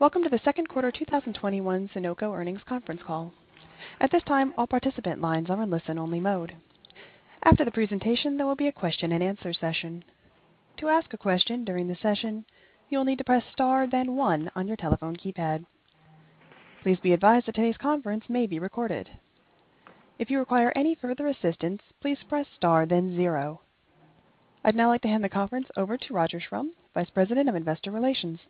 Welcome to the second quarter 2021 Sonoco earnings conference call. At this time, all participant lines are in listen-only mode. After the presentation, there will be a question and answer session. To ask a question during the session, you'll need to press star then one on your telephone keypad. Please be advised that today's conference may be recorded. If you require any further assistance, please press star then zero. I'd now like to hand the conference over to Rodger Schrum, Vice President of Investor Relations.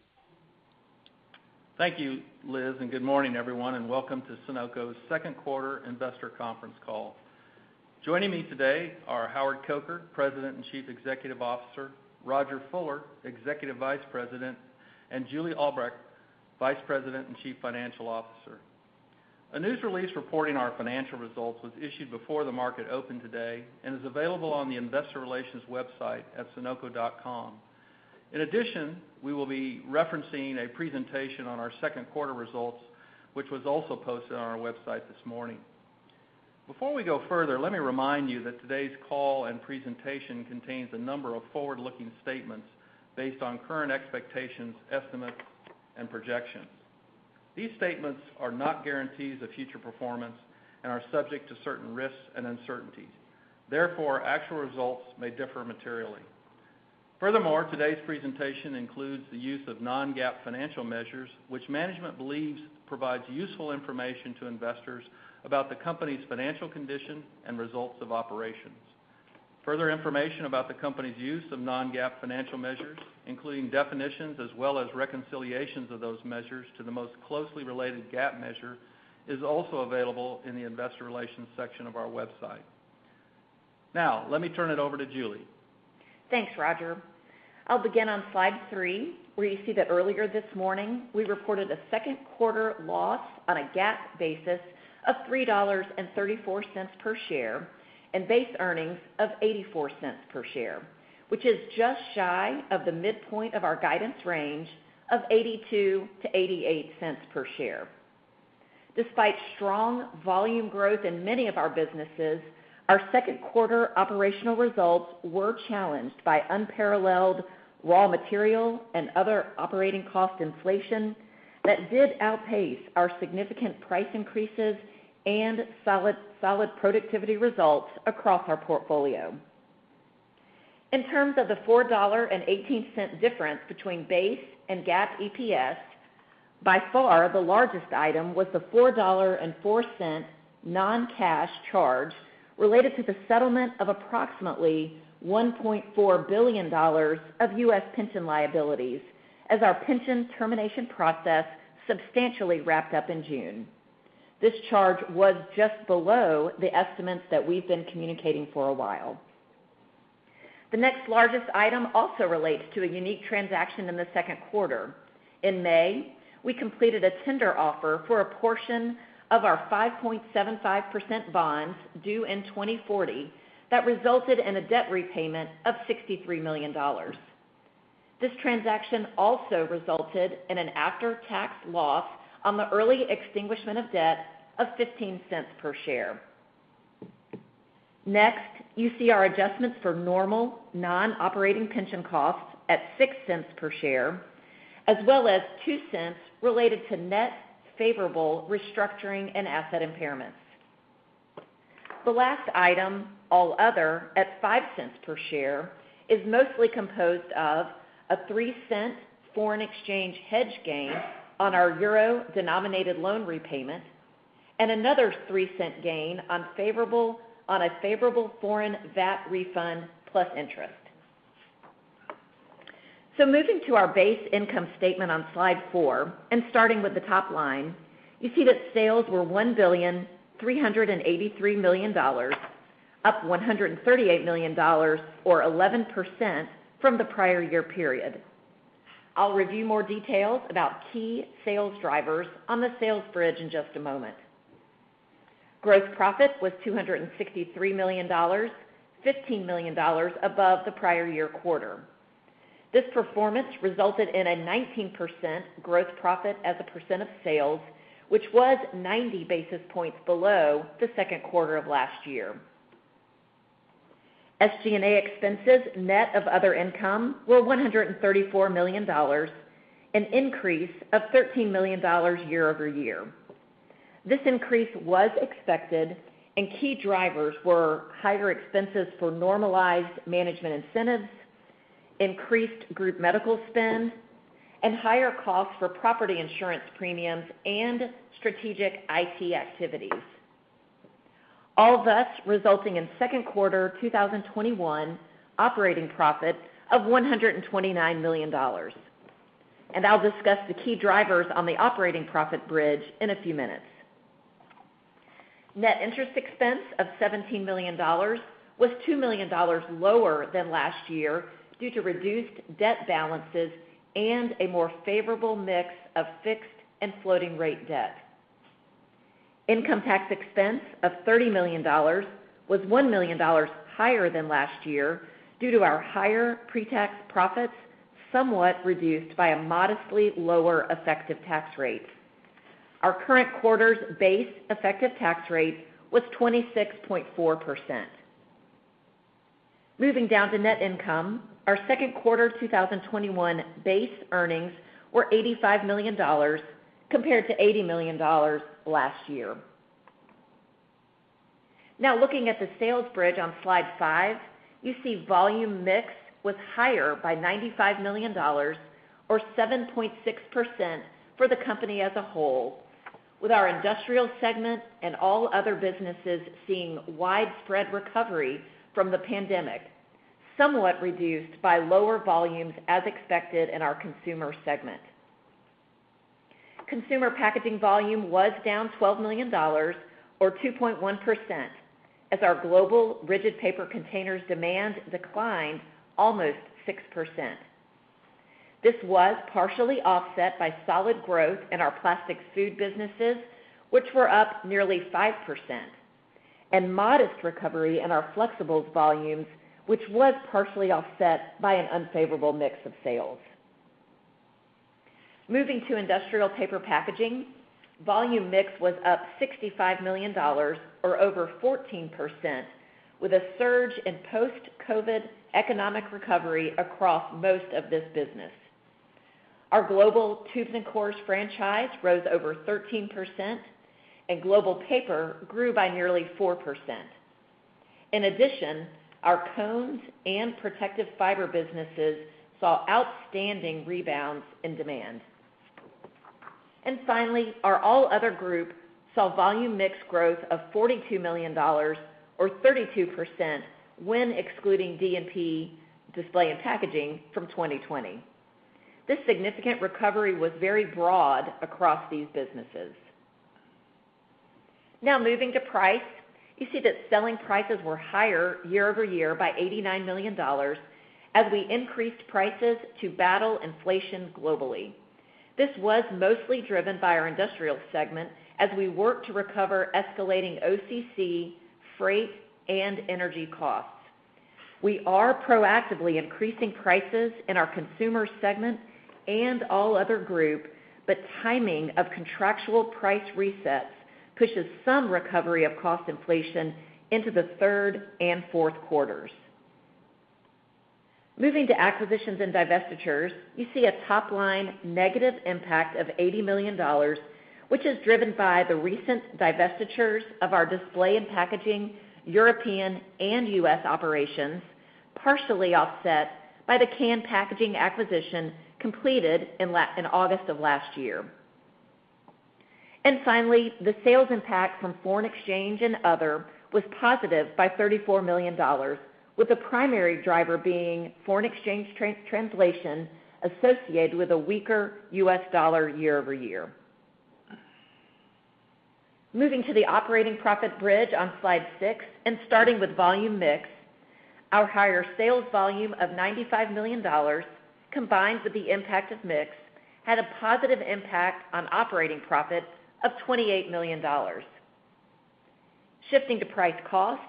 Thank you, Liz, and good morning, everyone, and welcome to Sonoco's second quarter investor conference call. Joining me today are Howard Coker, President and Chief Executive Officer, Rodger Fuller, Executive Vice President, and Julie Albrecht, Vice President and Chief Financial Officer. A news release reporting our financial results was issued before the market opened today and is available on the Investor Relations website at sonoco.com. We will be referencing a presentation on our second quarter results, which was also posted on our website this morning. Before we go further, let me remind you that today's call and presentation contains a number of forward-looking statements based on current expectations, estimates, and projections. These statements are not guarantees of future performance and are subject to certain risks and uncertainties. Therefore, actual results may differ materially. Furthermore, today's presentation includes the use of non-GAAP financial measures, which management believes provides useful information to investors about the company's financial condition and results of operations. Further information about the company's use of non-GAAP financial measures, including definitions as well as reconciliations of those measures to the most closely related GAAP measure, is also available in the investor relations section of our website. Now, let me turn it over to Julie. Thanks, Rodger. I'll begin on slide three, where you see that earlier this morning, we reported a second quarter loss on a GAAP basis of $3.34 per share and base earnings of $0.84 per share, which is just shy of the midpoint of our guidance range of $0.82-$0.88 per share. Despite strong volume growth in many of our businesses, our second quarter operational results were challenged by unparalleled raw material and other operating cost inflation that did outpace our significant price increases and solid productivity results across our portfolio. In terms of the $4.18 difference between base and GAAP EPS, by far the largest item was the $4.04 non-cash charge related to the settlement of approximately $1.4 billion of U.S. pension liabilities as our pension termination process substantially wrapped up in June. This charge was just below the estimates that we've been communicating for a while. The next largest item also relates to a unique transaction in the second quarter. In May, we completed a tender offer for a portion of our 5.75% bonds due in 2040 that resulted in a debt repayment of $63 million. This transaction also resulted in an after-tax loss on the early extinguishment of debt of $0.15 per share. Next, you see our adjustments for normal non-operating pension costs at $0.06 per share, as well as $0.02 related to net favorable restructuring and asset impairments. The last item, all other, at $0.05 per share, is mostly composed of a $0.03 foreign exchange hedge gain on our euro-denominated loan repayment and another $0.03 gain on a favorable foreign VAT refund plus interest. Moving to our base income statement on Slide four and starting with the top line, you see that sales were $1,383 million, up $138 million or 11% from the prior-year period. I'll review more details about key sales drivers on the sales bridge in just a moment. Gross profit was $263 million, $15 million above the prior-year quarter. This performance resulted in a 19% gross profit as a percent of sales, which was 90 basis points below the second quarter of last year. SG&A expenses net of other income were $134 million, an increase of $13 million year-over-year. This increase was expected and key drivers were higher expenses for normalized management incentives, increased group medical spend, and higher costs for property insurance premiums and strategic IT activities. All thus resulting in second quarter 2021 operating profit of $129 million. I'll discuss the key drivers on the operating profit bridge in a few minutes. Net interest expense of $17 million was $2 million lower than last year due to reduced debt balances and a more favorable mix of fixed and floating rate debt. Income tax expense of $30 million was $1 million higher than last year due to our higher pre-tax profits, somewhat reduced by a modestly lower effective tax rate. Our current quarter's base effective tax rate was 26.4%. Moving down to net income, our second quarter 2021 base earnings were $85 million, compared to $80 million last year. Now looking at the sales bridge on slide five, you see volume mix was higher by $95 million, or 7.6% for the company as a whole, with our Industrial segment and All Other businesses seeing widespread recovery from the pandemic, somewhat reduced by lower volumes as expected in our Consumer segment. Consumer packaging volume was down $12 million, or 2.1%, as our global rigid paper containers demand declined almost 6%. This was partially offset by solid growth in our plastics food businesses, which were up nearly 5%, and modest recovery in our flexibles volumes, which was partially offset by an unfavorable mix of sales. Moving to Industrial paper packaging, volume mix was up $65 million, or over 14%, with a surge in post-COVID economic recovery across most of this business. Our global tubes and cores franchise rose over 13%, and global paper grew by nearly 4%. Our cones and protective fiber businesses saw outstanding rebounds in demand. Finally, our All Other group saw volume mix growth of $42 million, or 32%, when excluding D&P, Display and Packaging, from 2020. This significant recovery was very broad across these businesses. Moving to price, you see that selling prices were higher year-over-year by $89 million, as we increased prices to battle inflation globally. This was mostly driven by our Industrial segment, as we work to recover escalating OCC, freight, and energy costs. We are proactively increasing prices in our Consumer segment and All Other group, timing of contractual price resets pushes some recovery of cost inflation into the third and fourth quarters. Moving to acquisitions and divestitures, you see a top-line negative impact of $80 million, which is driven by the recent divestitures of our Display and Packaging European and U.S. operations, partially offset by the Can Packaging acquisition completed in August of last year. Finally, the sales impact from foreign exchange and other was positive by $34 million, with the primary driver being foreign exchange translation associated with a weaker U.S. dollar year-over-year. Moving to the operating profit bridge on Slide six, and starting with volume mix, our higher sales volume of $95 million, combined with the impact of mix, had a positive impact on operating profit of $28 million. Shifting to price cost,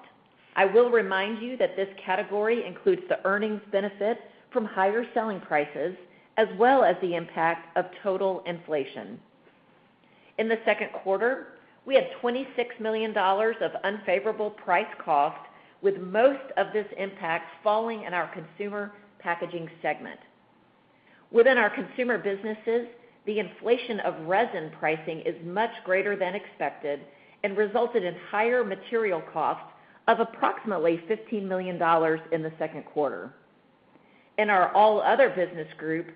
I will remind you that this category includes the earnings benefit from higher selling prices, as well as the impact of total inflation. In the second quarter, we had $26 million of unfavorable price cost, with most of this impact falling in our Consumer packaging segment. Within our consumer businesses, the inflation of resin pricing is much greater than expected and resulted in higher material costs of approximately $15 million in the second quarter. In our All Other business group,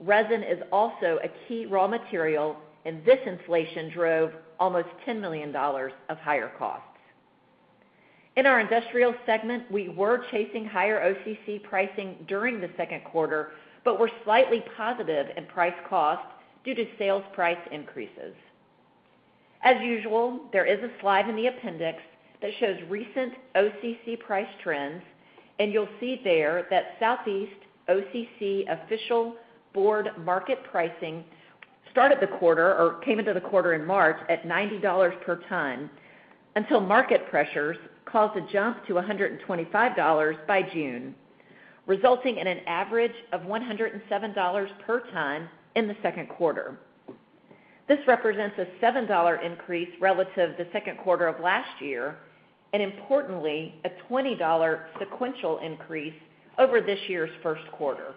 resin is also a key raw material, and this inflation drove almost $10 million of higher costs. In our Industrial segment, we were chasing higher OCC pricing during the second quarter, but were slightly positive in price cost due to sales price increases. As usual, there is a slide in the appendix that shows recent OCC price trends, and you'll see there that Southeast OCC Official Board Markets pricing came into the quarter in March at $90 per ton, until market pressures caused a jump to $125 by June, resulting in an average of $107 per ton in the second quarter. This represents a $7 increase relative to the second quarter of last year, and importantly, a $20 sequential increase over this year's first quarter.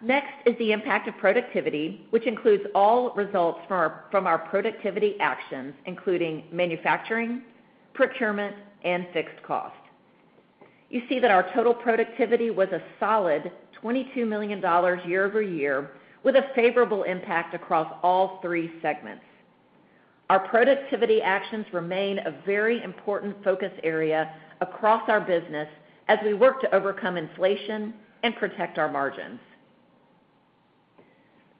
Next is the impact of productivity, which includes all results from our productivity actions, including manufacturing, procurement, and fixed cost. You see that our total productivity was a solid $22 million year-over-year, with a favorable impact across all three segments. Our productivity actions remain a very important focus area across our business as we work to overcome inflation and protect our margins.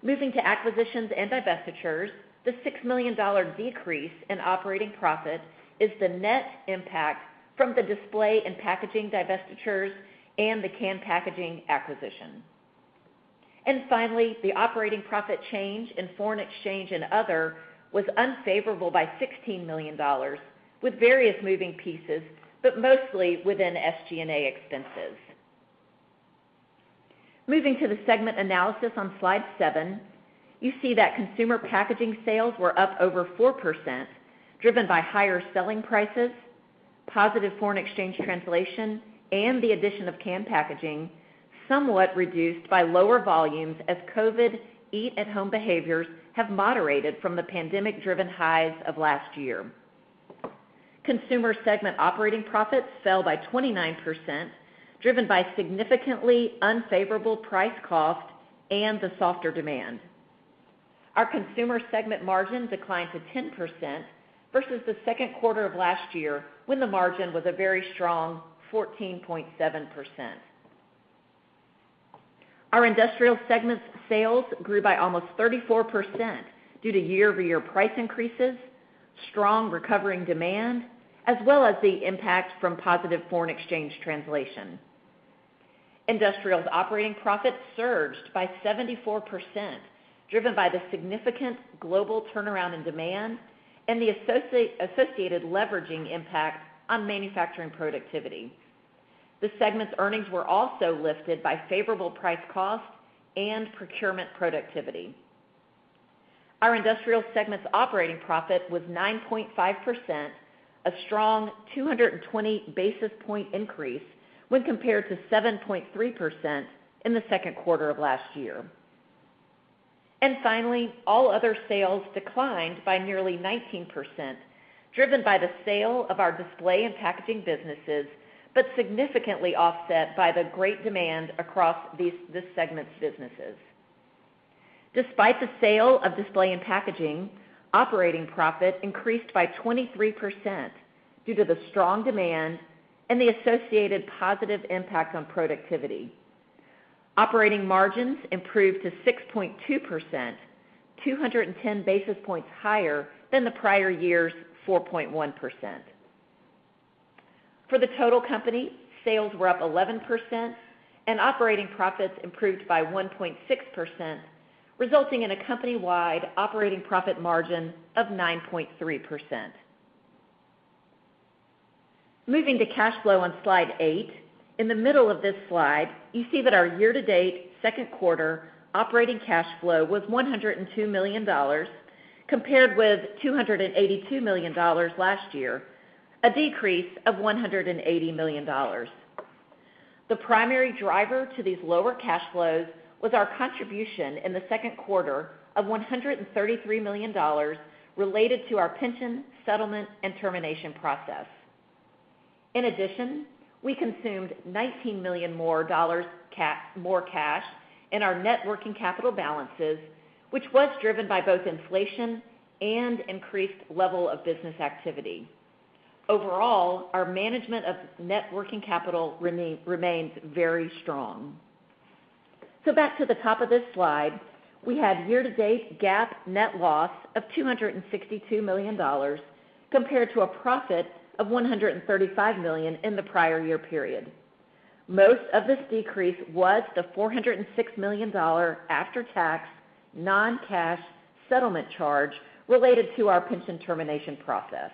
Moving to acquisitions and divestitures, the $6 million decrease in operating profit is the net impact from the Display and Packaging divestitures and the Can Packaging acquisition. Finally, the operating profit change in foreign exchange and other was unfavorable by $16 million, with various moving pieces, but mostly within SG&A expenses. Moving to the segment analysis on slide seven, you see that consumer packaging sales were up over 4%, driven by higher selling prices, positive foreign exchange translation, and the addition of Can Packaging, somewhat reduced by lower volumes as COVID eat-at-home behaviors have moderated from the pandemic-driven highs of last year. Consumer segment operating profits fell by 29%, driven by significantly unfavorable price cost and the softer demand. Our consumer segment margin declined to 10% versus the second quarter of last year, when the margin was a very strong 14.7%. Our industrial segments sales grew by almost 34% due to year-over-year price increases, strong recovering demand, as well as the impact from positive foreign exchange translation. Industrial's operating profits surged by 74%, driven by the significant global turnaround in demand and the associated leveraging impact on manufacturing productivity. The segment's earnings were also lifted by favorable price cost and procurement productivity. Our industrial segment's operating profit was 9.5%, a strong 220 basis point increase when compared to 7.3% in the second quarter of last year. Finally, all other sales declined by nearly 19%, driven by the sale of our Display and Packaging businesses, but significantly offset by the great demand across this segment's businesses. Despite the sale of Display and Packaging, operating profit increased by 23% due to the strong demand and the associated positive impact on productivity. Operating margins improved to 6.2%, 210 basis points higher than the prior year's 4.1%. For the total company, sales were up 11% and operating profits improved by 1.6%, resulting in a company-wide operating profit margin of 9.3%. Moving to cash flow on slide eight. In the middle of this slide, you see that our year-to-date second quarter operating cash flow was $102 million, compared with $282 million last year, a decrease of $180 million. The primary driver to these lower cash flows was our contribution in the second quarter of $133 million related to our pension settlement and termination process. In addition, we consumed $19 million more cash in our net working capital balances, which was driven by both inflation and increased level of business activity. Overall, our management of net working capital remains very strong. Back to the top of this slide, we had year-to-date GAAP net loss of $262 million compared to a profit of $135 million in the prior year period. Most of this decrease was the $406 million after-tax non-cash settlement charge related to our pension termination process.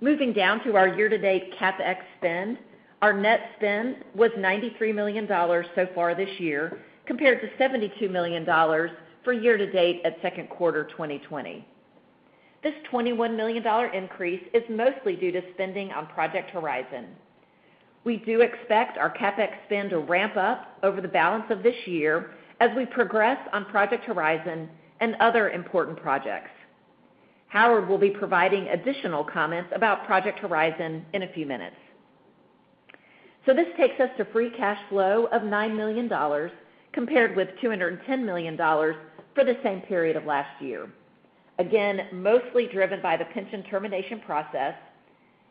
Moving down to our year-to-date CapEx spend, our net spend was $93 million so far this year, compared to $72 million for year-to-date at second quarter 2020. This $21 million increase is mostly due to spending on Project Horizon. We do expect our CapEx spend to ramp up over the balance of this year as we progress on Project Horizon and other important projects. Howard will be providing additional comments about Project Horizon in a few minutes. This takes us to free cash flow of $9 million, compared with $210 million for the same period of last year. Again, mostly driven by the pension termination process,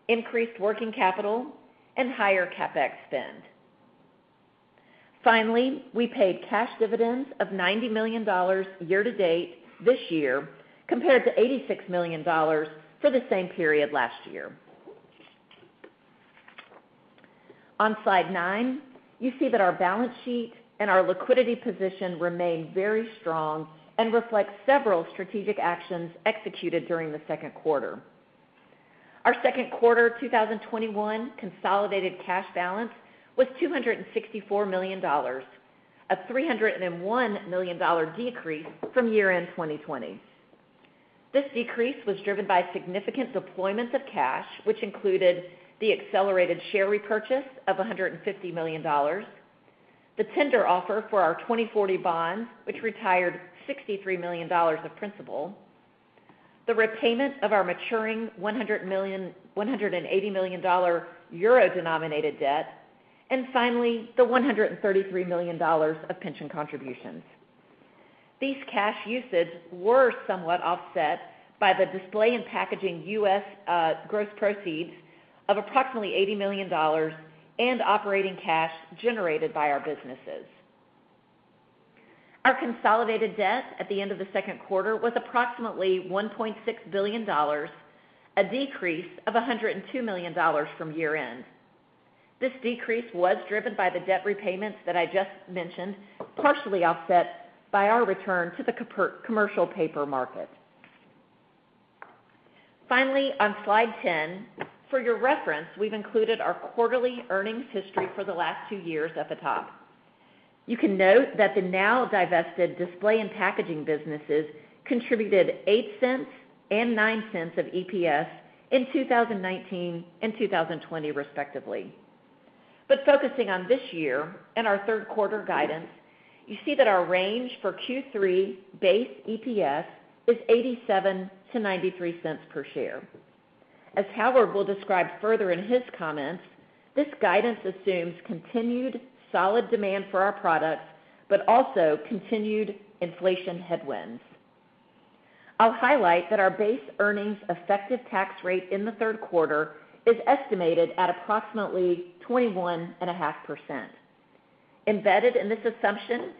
increased working capital, and higher CapEx spend. Finally, we paid cash dividends of $90 million year-to-date this year, compared to $86 million for the same period last year. On slide 9, you see that our balance sheet and our liquidity position remain very strong and reflect several strategic actions executed during the second quarter. Our second quarter 2021 consolidated cash balance was $264 million, a $301 million decrease from year-end 2020. This decrease was driven by significant deployments of cash, which included the accelerated share repurchase of $150 million, the tender offer for our 2040 bonds, which retired $63 million of principal, the repayment of our maturing $180 million Euro-denominated debt, and finally, the $133 million of pension contributions. These cash usages were somewhat offset by the Display and Packaging U.S. gross proceeds of approximately $80 million and operating cash generated by our businesses. Our consolidated debt at the end of the second quarter was approximately $1.6 billion, a decrease of $102 million from year-end. This decrease was driven by the debt repayments that I just mentioned, partially offset by our return to the commercial paper market. Finally, on slide 10, for your reference, we've included our quarterly earnings history for the last two years at the top. You can note that the now divested Display and Packaging businesses contributed $0.08 and $0.09 of EPS in 2019 and 2020 respectively. Focusing on this year and our third quarter guidance, you see that our range for Q3 base EPS is $0.87-$0.93 per share. As Howard will describe further in his comments, this guidance assumes continued solid demand for our products, but also continued inflation headwinds. I'll highlight that our base earnings effective tax rate in the third quarter is estimated at approximately 21.5%. Embedded in this assumption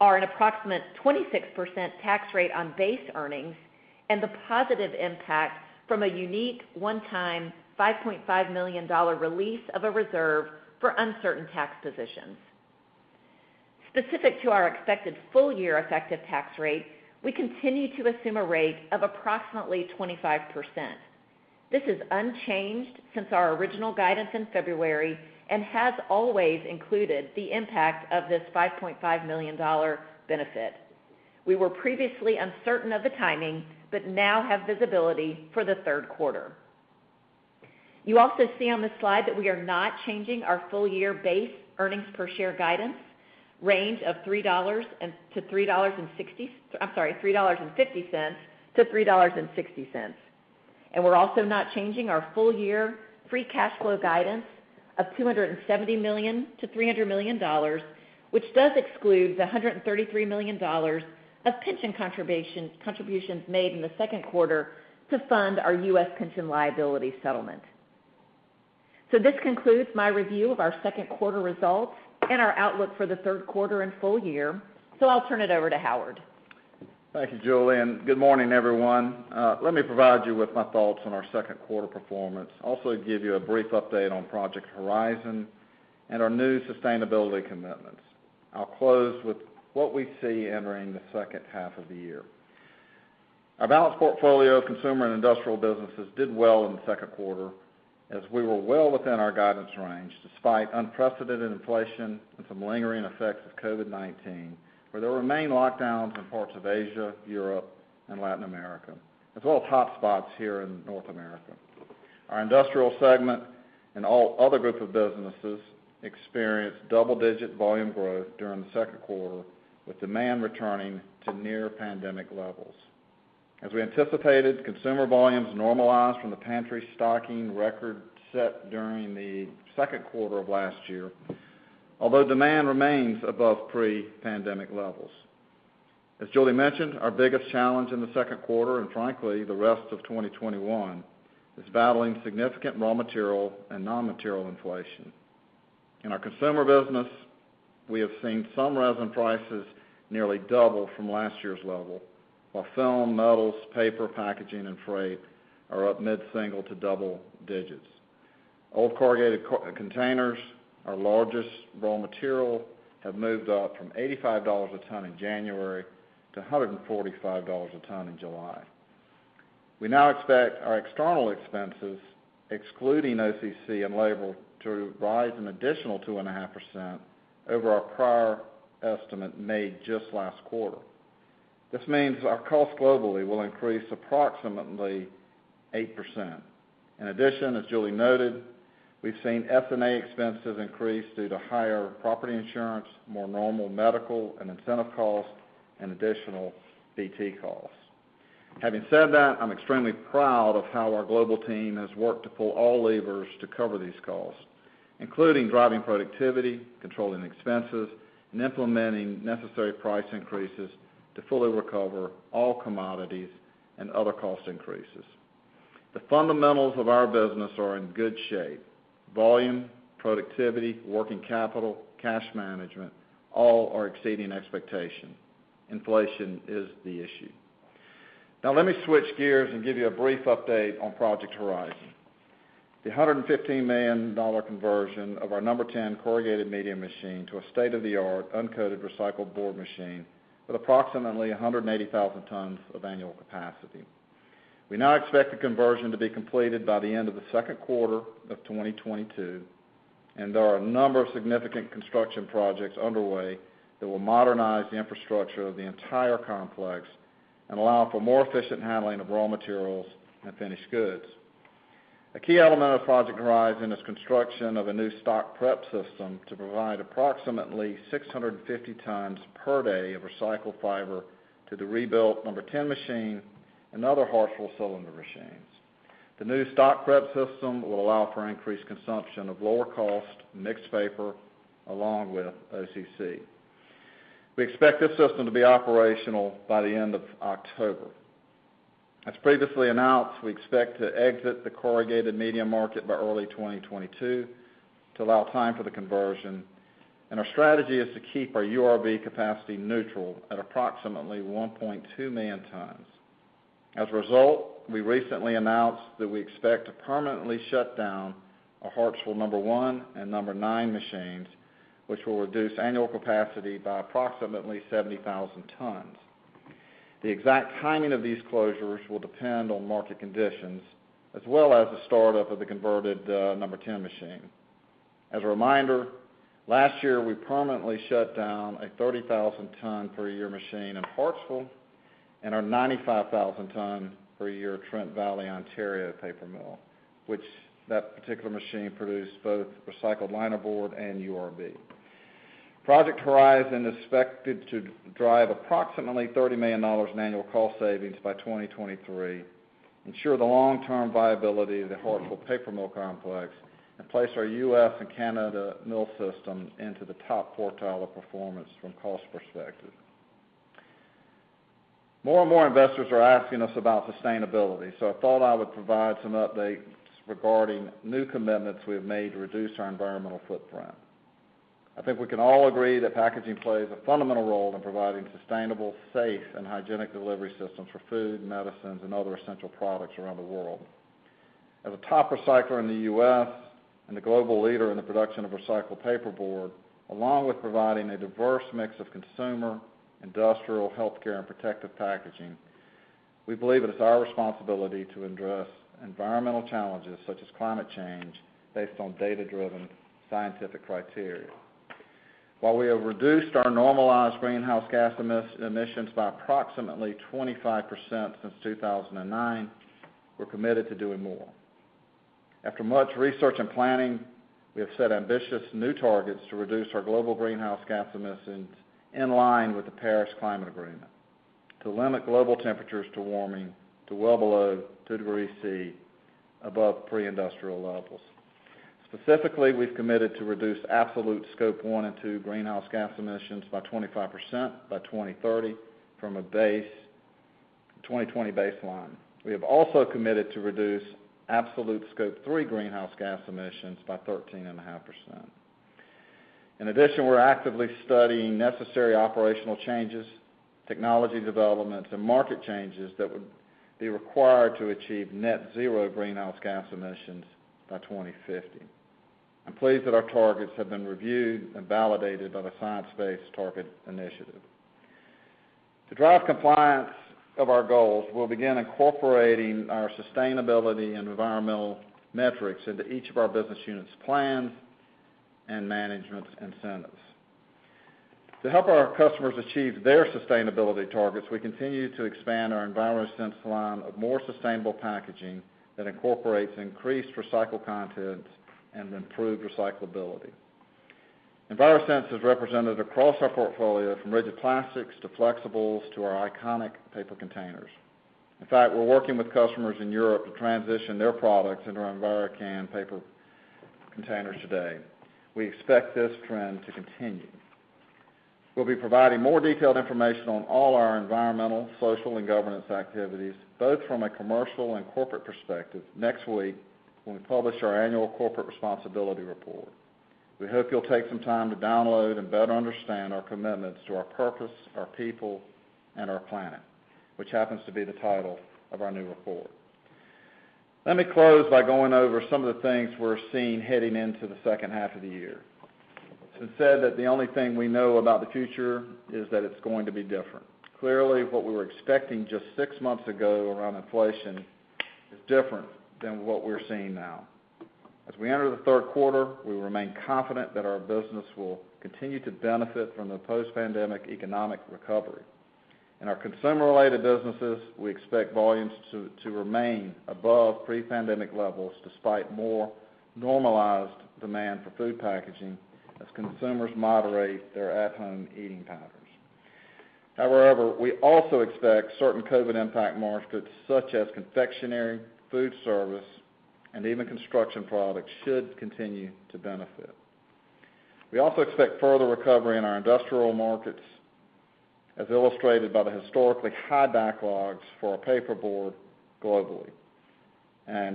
are an approximate 26% tax rate on base earnings and the positive impact from a unique one-time $5.5 million release of a reserve for uncertain tax positions. Specific to our expected full-year effective tax rate, we continue to assume a rate of approximately 25%. This is unchanged since our original guidance in February and has always included the impact of this $5.5 million benefit. We were previously uncertain of the timing but now have visibility for the third quarter. You also see on this slide that we are not changing our full-year base earnings per share guidance range of $3.50-$3.60. We're also not changing our full-year free cash flow guidance of $270 million-$300 million, which does exclude the $133 million of pension contributions made in the second quarter to fund our U.S. pension liability settlement. This concludes my review of our second quarter results and our outlook for the third quarter and full year. I'll turn it over to Howard. Thank you, Julie, and good morning, everyone. Let me provide you with my thoughts on our second quarter performance, also give you a brief update on Project Horizon and our new sustainability commitments. I'll close with what we see entering the second half of the year. Our balanced portfolio of consumer and industrial businesses did well in the second quarter, as we were well within our guidance range, despite unprecedented inflation and some lingering effects of COVID-19, where there remain lockdowns in parts of Asia, Europe, and Latin America, as well as hotspots here in North America. Our industrial segment and all other group of businesses experienced double-digit volume growth during the second quarter, with demand returning to near pandemic levels. As we anticipated, consumer volumes normalized from the pantry stocking record set during the second quarter of last year, although demand remains above pre-pandemic levels. As Julie mentioned, our biggest challenge in the second quarter, and frankly, the rest of 2021, is battling significant raw material and non-material inflation. In our consumer business, we have seen some resin prices nearly double from last year's level, while film, metals, paper, packaging, and freight are up mid-single to double digits. Old corrugated containers, our largest raw material, have moved up from $85 a ton in January to $145 a ton in July. We now expect our external expenses, excluding OCC and labor, to rise an additional 2.5% over our prior estimate made just last quarter. This means our cost globally will increase approximately 8%. In addition, as Julie noted, we've seen SG&A expenses increase due to higher property insurance, more normal medical and incentive costs, and additional BT costs. Having said that, I'm extremely proud of how our global team has worked to pull all levers to cover these costs, including driving productivity, controlling expenses, and implementing necessary price increases to fully recover all commodities and other cost increases. The fundamentals of our business are in good shape. Volume, productivity, working capital, cash management, all are exceeding expectations. Inflation is the issue. Now let me switch gears and give you a brief update on Project Horizon, the $115 million conversion of our number 10 corrugated medium machine to a state-of-the-art uncoated recycled board machine with approximately 180,000 tons of annual capacity. We now expect the conversion to be completed by the end of the second quarter of 2022, and there are a number of significant construction projects underway that will modernize the infrastructure of the entire complex and allow for more efficient handling of raw materials and finished goods. A key element of Project Horizon is construction of a new stock prep system to provide approximately 650 tons per day of recycled fiber to the rebuilt number 10 machine and other Hartsville cylinder machines. The new stock prep system will allow for increased consumption of lower cost mixed paper along with OCC. We expect this system to be operational by the end of October. As previously announced, we expect to exit the corrugated medium market by early 2022 to allow time for the conversion, and our strategy is to keep our URB capacity neutral at approximately 1.2 million tons. As a result, we recently announced that we expect to permanently shut down our Hartsville number one and number nine machines, which will reduce annual capacity by approximately 70,000 tons. The exact timing of these closures will depend on market conditions as well as the startup of the converted number 10 machine. As a reminder, last year we permanently shut down a 30,000 ton per year machine in Hartsville and our 95,000 ton per year Trent Valley, Ontario paper mill, which that particular machine produced both recycled linerboard and URB. Project Horizon is expected to drive approximately $30 million in annual cost savings by 2023, ensure the long-term viability of the Hartsville paper mill complex, and place our U.S. and Canada mill system into the top quartile of performance from cost perspective. I thought I would provide some updates regarding new commitments we have made to reduce our environmental footprint. I think we can all agree that packaging plays a fundamental role in providing sustainable, safe, and hygienic delivery systems for food, medicines, and other essential products around the world. As a top recycler in the U.S. and a global leader in the production of recycled paperboard, along with providing a diverse mix of consumer, industrial, healthcare, and protective packaging, we believe it is our responsibility to address environmental challenges such as climate change based on data-driven scientific criteria. While we have reduced our normalized greenhouse gas emissions by approximately 25% since 2009, we're committed to doing more. After much research and planning, we have set ambitious new targets to reduce our global greenhouse gas emissions in line with the Paris Climate Agreement to limit global temperatures to warming to well below 2 degrees C above pre-industrial levels. Specifically, we've committed to reduce absolute Scope 1 and 2 greenhouse gas emissions by 25% by 2030 from a 2020 baseline. We have also committed to reduce absolute Scope 3 greenhouse gas emissions by 13.5%. In addition, we're actively studying necessary operational changes, technology developments, and market changes that would be required to achieve net zero greenhouse gas emissions by 2050. I'm pleased that our targets have been reviewed and validated by the Science Based Targets initiative. To drive compliance of our goals, we'll begin incorporating our sustainability and environmental metrics into each of our business units' plans and management incentives. To help our customers achieve their sustainability targets, we continue to expand our EnviroSense line of more sustainable packaging that incorporates increased recycled content and improved recyclability. EnviroSense is represented across our portfolio from rigid plastics to flexibles to our iconic paper containers. In fact, we're working with customers in Europe to transition their products into our EnviroCan paper containers today. We expect this trend to continue. We'll be providing more detailed information on all our environmental, social, and governance activities, both from a commercial and corporate perspective, next week when we publish our annual corporate responsibility report. We hope you'll take some time to download and better understand our commitments to our purpose, our people, and our planet, which happens to be the title of our new report. Let me close by going over some of the things we're seeing heading into the second half of the year. It's been said that the only thing we know about the future is that it's going to be different. Clearly, what we were expecting just six months ago around inflation is different than what we're seeing now. As we enter the third quarter, we remain confident that our business will continue to benefit from the post-pandemic economic recovery. In our consumer-related businesses, we expect volumes to remain above pre-pandemic levels, despite more normalized demand for food packaging as consumers moderate their at-home eating patterns. However, we also expect certain COVID impact markets, such as confectionery, food service, and even construction products should continue to benefit. We also expect further recovery in our industrial markets, as illustrated by the historically high backlogs for our paperboard globally.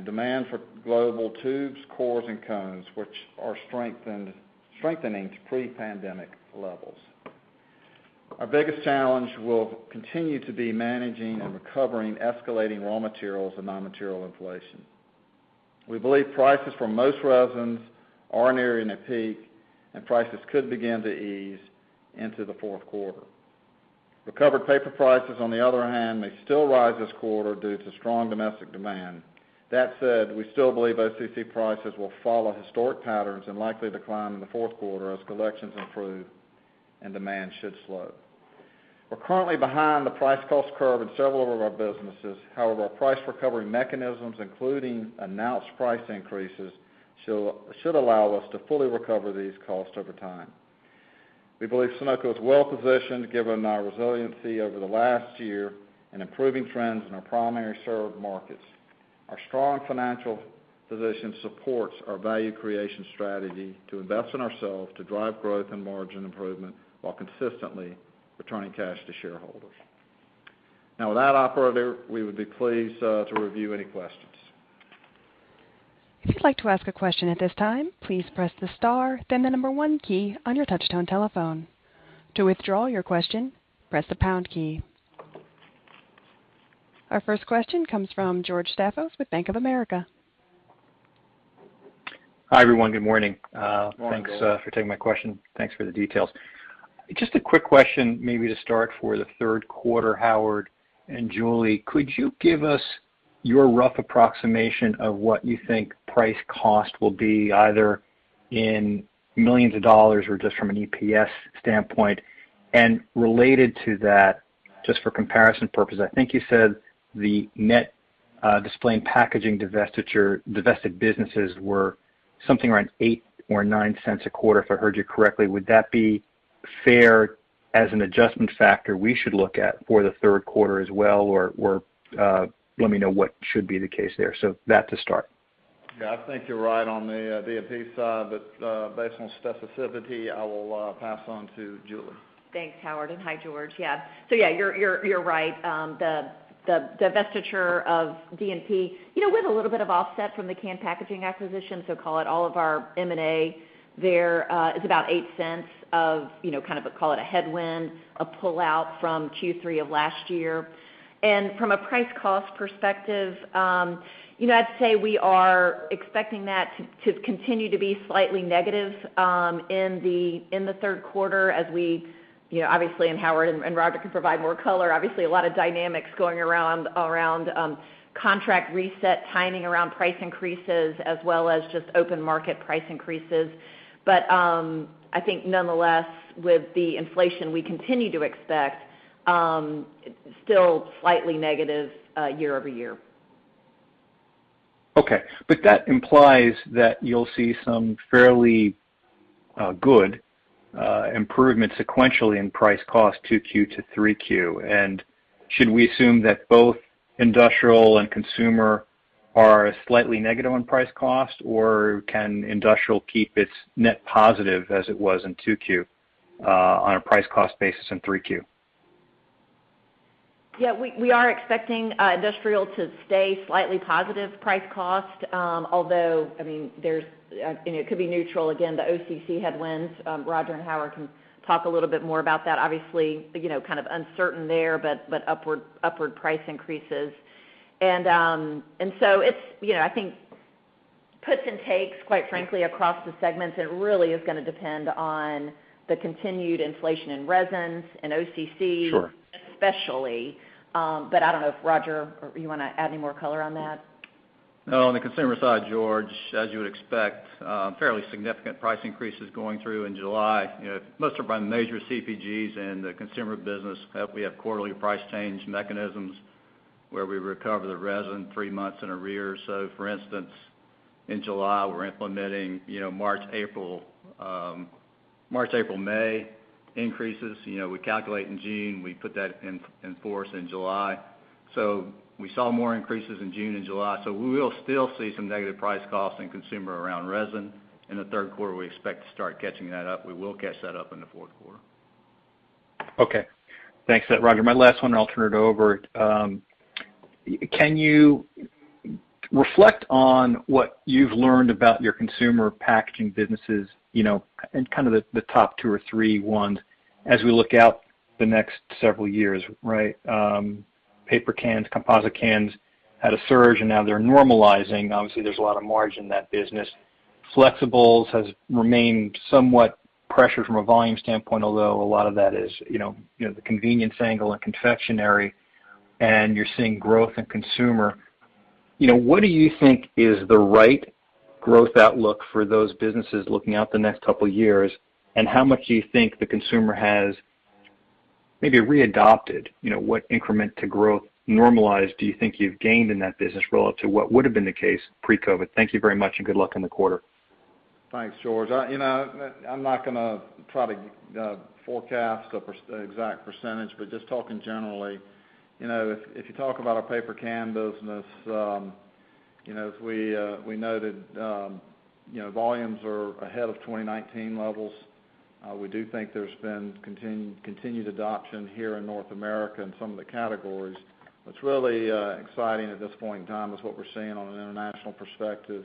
Demand for global tubes, cores, and cones, which are strengthening to pre-pandemic levels. Our biggest challenge will continue to be managing and recovering escalating raw materials and non-material inflation. We believe prices for most resins are nearing a peak, and prices could begin to ease into the fourth quarter. Recovered paper prices, on the other hand, may still rise this quarter due to strong domestic demand. That said, we still believe OCC prices will follow historic patterns and likely decline in the fourth quarter as collections improve and demand should slow. We're currently behind the price cost curve in several of our businesses. However, our price recovery mechanisms, including announced price increases, should allow us to fully recover these costs over time. We believe Sonoco is well positioned given our resiliency over the last year and improving trends in our primary served markets. Our strong financial position supports our value creation strategy to invest in ourselves to drive growth and margin improvement while consistently returning cash to shareholders. Now, with that, operator, we would be pleased to review any questions. If you'd like to ask a question at this time, please press the star, then the number one key on your touchtone telephone. To withdraw your question, press the pound key. Our first question comes from George Staphos with Bank of America. Hi, everyone. Good morning. Good morning, George. Thanks for taking my question. Thanks for the details. A quick question maybe to start for the third quarter, Howard and Julie, could you give us your rough approximation of what you think price cost will be either in millions of dollars or just from an EPS standpoint? Related to that, just for comparison purpose, I think you said the net Display and Packaging divested businesses were something around $0.08 or $0.09 a quarter, if I heard you correctly. Would that be fair as an adjustment factor we should look at for the third quarter as well, or let me know what should be the case there. That to start. Yeah, I think you're right on the D&P side, but based on specificity, I will pass on to Julie. Thanks, Howard. Hi, George. Yeah, you're right. The divestiture of D&P with a little bit of offset from the Can Packaging acquisition, call it all of our M&A there, is about $0.08, call it a headwind, a pull-out from Q3 of last year. From a price cost perspective, I'd say we are expecting that to continue to be slightly negative in the third quarter as we, and Howard and Rodger can provide more color, obviously, a lot of dynamics going around contract reset, timing around price increases, as well as just open market price increases. I think nonetheless, with the inflation we continue to expect, still slightly negative year-over-year. Okay. That implies that you'll see some fairly good improvements sequentially in price cost 2Q to 3Q. Should we assume that both industrial and consumer are slightly negative on price cost, or can industrial keep its net positive as it was in 2Q on a price cost basis in 3Q? We are expecting industrial to stay slightly positive price cost. Although, it could be neutral. Again, the OCC headwinds, Rodger and Howard can talk a little bit more about that. Obviously, kind of uncertain there, but upward price increases. I think puts and takes, quite frankly, across the segments, and it really is going to depend on the continued inflation in resins and OCC. Sure especially. I don't know if, Rodger, you want to add any more color on that? No, on the consumer side, George, as you would expect, fairly significant price increases going through in July. Most are by major CPGs in the consumer business. We have quarterly price change mechanisms where we recover the resin three months in arrears. For instance, in July, we're implementing March, April, May increases. We calculate in June, we put that in force in July. We saw more increases in June and July. We will still see some negative price costs in consumer around resin. In the third quarter, we expect to start catching that up. We will catch that up in the fourth quarter. Okay. Thanks for that, Rodger. My last one, I'll turn it over. Can you reflect on what you've learned about your consumer packaging businesses, and kind of the top two or three ones as we look out the next several years, right? Paper cans, composite cans had a surge, and now they're normalizing. Obviously, there's a lot of margin in that business. Flexibles has remained somewhat pressured from a volume standpoint, although a lot of that is the convenience angle and confectionery, and you're seeing growth in consumer. What do you think is the right growth outlook for those businesses looking out the next couple of years, and how much do you think the consumer has maybe re-adopted? What increment to growth normalized do you think you've gained in that business relative to what would've been the case pre-COVID? Thank you very much, good luck on the quarter. Thanks, George. I'm not going to try to forecast the exact percentage, but just talking generally. If you talk about our paper can business, as we noted, volumes are ahead of 2019 levels. We do think there's been continued adoption here in North America in some of the categories. What's really exciting at this point in time is what we're seeing on an international perspective.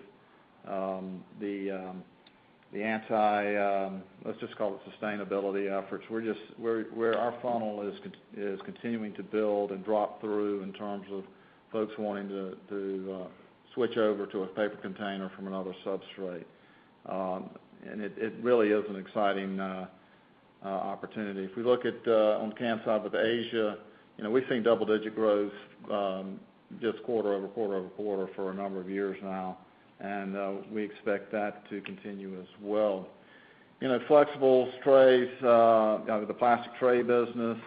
Let's just call it sustainability efforts. Our funnel is continuing to build and drop through in terms of folks wanting to switch over to a paper container from another substrate. It really is an exciting opportunity. If we look on the can side with Asia, we've seen double-digit growth just quarter-over-quarter over quarter for a number of years now, and we expect that to continue as well. Flexibles, trays, the plastic tray business,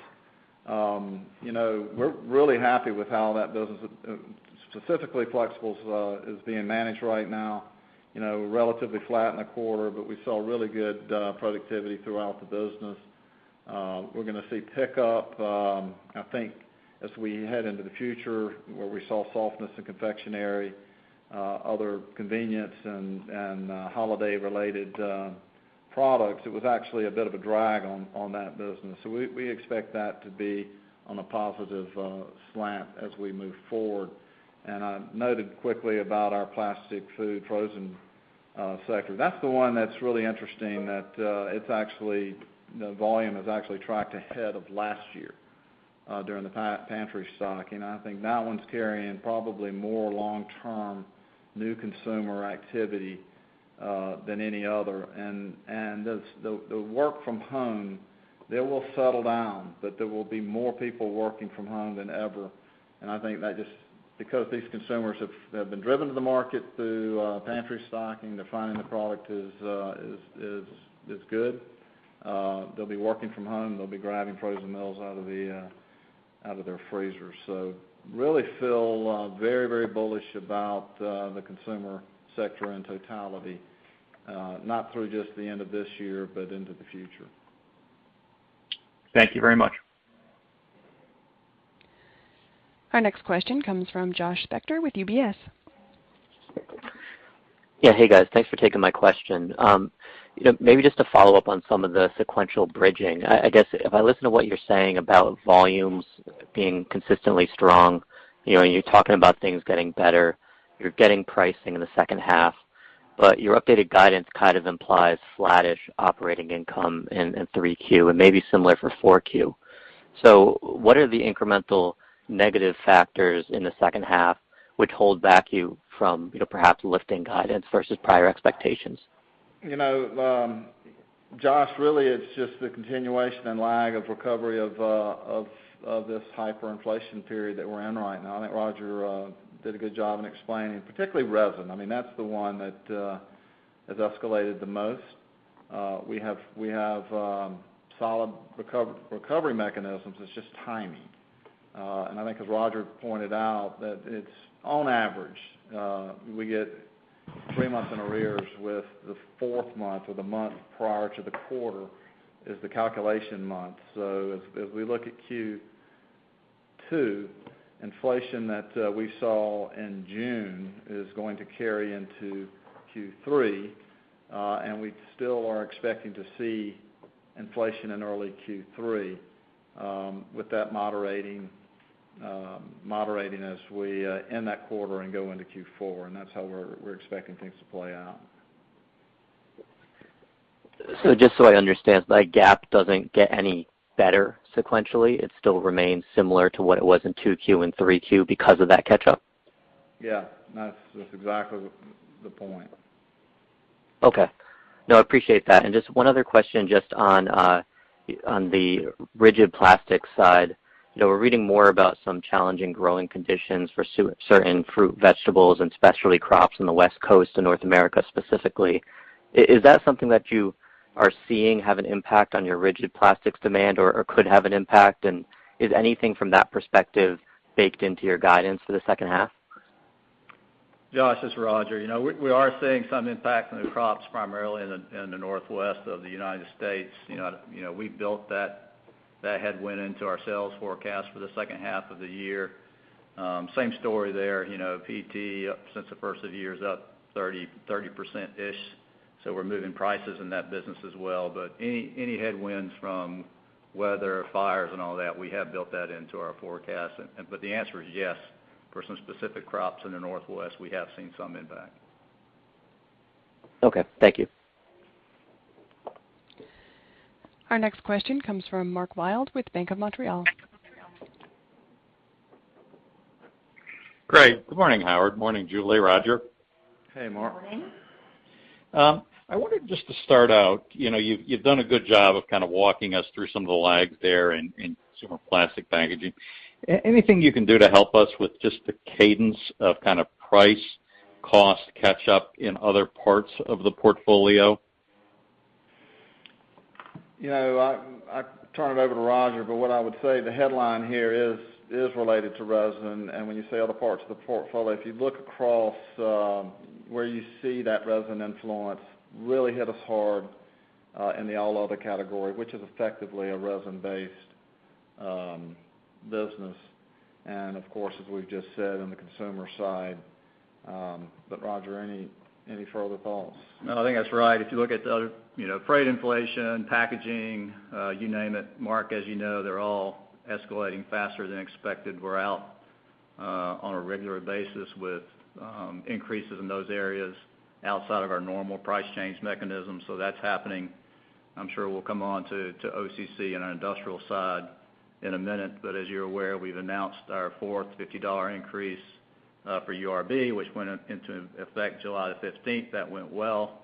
we're really happy with how that business, specifically flexibles, is being managed right now. Relatively flat in the quarter, we saw really good productivity throughout the business. We're going to see pickup, I think, as we head into the future, where we saw softness in confectionery, other convenience, and holiday-related products. It was actually a bit of a drag on that business. We expect that to be on a positive slant as we move forward. I noted quickly about our plastic food frozen sector. That's the one that's really interesting, that the volume has actually tracked ahead of last year during the pantry stocking. I think that one's carrying probably more long-term new consumer activity than any other. The work from home, they will settle down, but there will be more people working from home than ever. I think that just because these consumers have been driven to the market through pantry stocking, they're finding the product is good. They'll be working from home, they'll be grabbing frozen meals out of their freezers. Really feel very bullish about the consumer sector in totality, not through just the end of this year, but into the future. Thank you very much. Our next question comes from Josh Spector with UBS. Yeah. Hey, guys. Thanks for taking my question. Maybe just to follow up on some of the sequential bridging. I guess if I listen to what you're saying about volumes being consistently strong, you're talking about things getting better, you're getting pricing in the second half, but your updated guidance kind of implies flattish operating income in Q3, and maybe similar for Q4. What are the incremental negative factors in the second half which hold back you from perhaps lifting guidance versus prior expectations? Josh, really, it's just the continuation and lag of recovery of this hyperinflation period that we're in right now. I think Rodger did a good job in explaining, particularly resin. That's the one that has escalated the most. We have solid recovery mechanisms. It's just timing. I think as Rodger pointed out, that it's on average we get three months in arrears with the fourth month or the month prior to the quarter is the calculation month. As we look at Q2, inflation that we saw in June is going to carry into Q3. We still are expecting to see inflation in early Q3, with that moderating as we end that quarter and go into Q4, and that's how we're expecting things to play out. Just so I understand, that gap doesn't get any better sequentially? It still remains similar to what it was in Q2 and Q3 because of that catch-up? Yeah, that's exactly the point. Okay. No, I appreciate that. Just one other question just on the rigid plastic side. We're reading more about some challenging growing conditions for certain fruit, vegetables, and specialty crops in the West Coast of North America specifically. Is that something that you are seeing have an impact on your rigid plastics demand or could have an impact? Is anything from that perspective baked into your guidance for the second half? Josh, it's Rodger. We are seeing some impact on the crops, primarily in the Northwest of the U.S. We built that headwind into our sales forecast for the second half of the year. Same story there. PET, since the first of the year is up 30%. We're moving prices in that business as well. Any headwinds from weather, fires, and all that, we have built that into our forecast. The answer is yes. For some specific crops in the Northwest, we have seen some impact. Okay. Thank you. Our next question comes from Mark Wilde with Bank of Montreal. Great. Good morning, Howard. Morning, Julie, Rodger. Hey, Mark. Morning. I wanted just to start out, you've done a good job of kind of walking us through some of the lags there in consumer plastic packaging. Anything you can do to help us with just the cadence of kind of price, cost catch up in other parts of the portfolio? I turn it over to Rodger. What I would say, the headline here is related to resin. When you say other parts of the portfolio, if you look across where you see that resin influence really hit us hard in the all other category, which is effectively a resin-based business. Of course, as we've just said, on the consumer side. Rodger, any further thoughts? No, I think that's right. If you look at the other, freight inflation, packaging, you name it, Mark, as you know, they're all escalating faster than expected. We're out on a regular basis with increases in those areas outside of our normal price change mechanism. That's happening. I'm sure we'll come on to OCC and our industrial side in a minute, but as you're aware, we've announced our fourth $50 increase for URB, which went into effect July the 15th. That went well.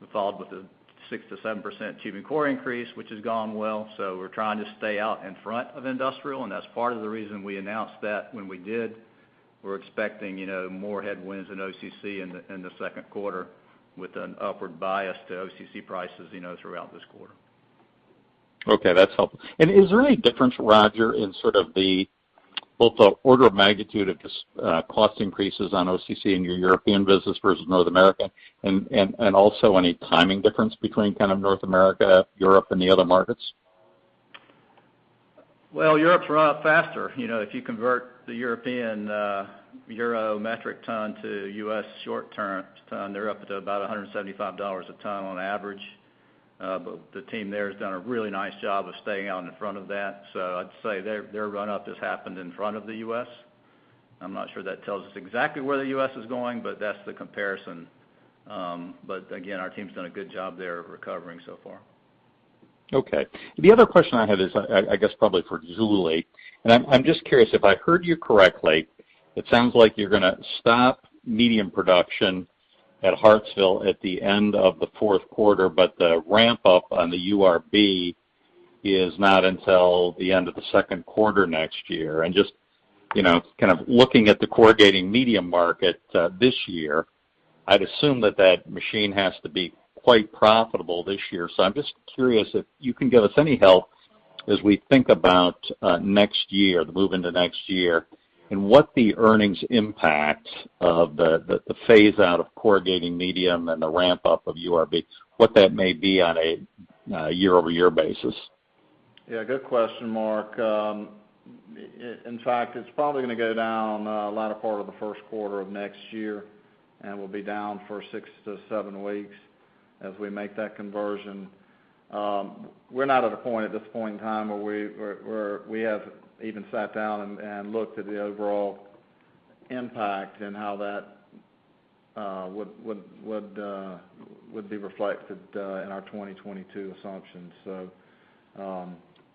We followed with a 6%-7% tubing core increase, which has gone well. We're trying to stay out in front of industrial, and that's part of the reason we announced that when we did. We're expecting more headwinds in OCC in the second quarter with an upward bias to OCC prices throughout this quarter. Okay, that's helpful. Is there any difference, Rodger, in sort of both the order of magnitude of just cost increases on OCC in your European business versus North America? Also any timing difference between kind of North America, Europe, and the other markets? Well, Europe's run up faster. If you convert the European euro metric ton to U.S. short ton, they're up to about $175 a ton on average. The team there has done a really nice job of staying out in front of that. I'd say their run-up has happened in front of the U.S. I'm not sure that tells us exactly where the U.S. is going, but that's the comparison. Again, our team's done a good job there of recovering so far. Okay. The other question I have is, I guess for Julie, I am just curious if I heard you correctly, it sounds like you are going to stop medium production at Hartsville at the end of the fourth quarter, the ramp-up on the URB is not until the end of the second quarter next year. Just looking at the corrugated medium market this year, I would assume that that machine has to be quite profitable this year. I am just curious if you can give us any help as we think about next year, the move into next year, and what the earnings impact of the phase-out of corrugated medium and the ramp-up of URB, what that may be on a year-over-year basis. Yeah, good question, Mark. In fact, it's probably going to go down the latter part of the first quarter of next year, and we'll be down for six to seven weeks as we make that conversion. We're not at a point at this point in time where we have even sat down and looked at the overall impact and how that would be reflected in our 2022 assumptions.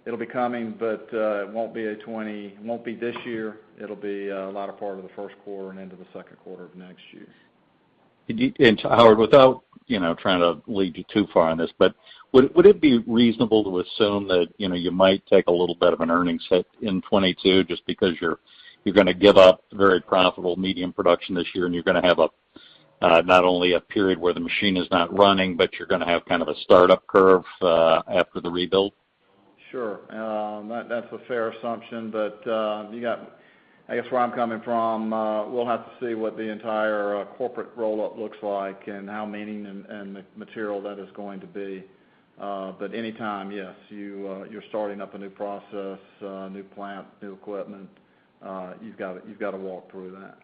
It'll be coming, but it won't be this year. It'll be the latter part of the first quarter and into the second quarter of next year. Howard, without trying to lead you too far on this, but would it be reasonable to assume that you might take a little bit of an earnings hit in 2022 just because you're going to give up very profitable medium production this year, and you're going to have not only a period where the machine is not running, but you're going to have kind of a startup curve after the rebuild? Sure. That's a fair assumption, but I guess where I'm coming from, we'll have to see what the entire corporate roll-up looks like and how meaning and material that is going to be. Any time, yes, you're starting up a new process, a new plant, new equipment. You've got to walk through that.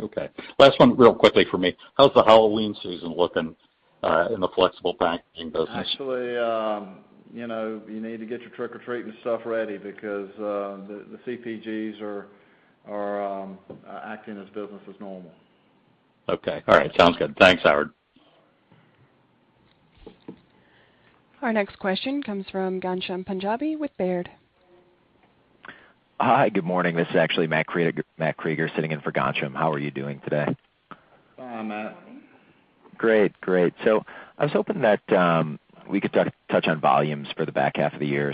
Okay. Last one real quickly from me. How's the Halloween season looking in the flexible packaging business? Actually, you need to get your trick-or-treating stuff ready because the CPGs are acting as business as normal. Okay. All right. Sounds good. Thanks, Howard. Our next question comes from Ghansham Panjabi with Baird. Hi, good morning. This is actually Matt Krieger sitting in for Ghansham. How are you doing today? Fine, Matt. Great. I was hoping that we could touch on volumes for the back half of the year.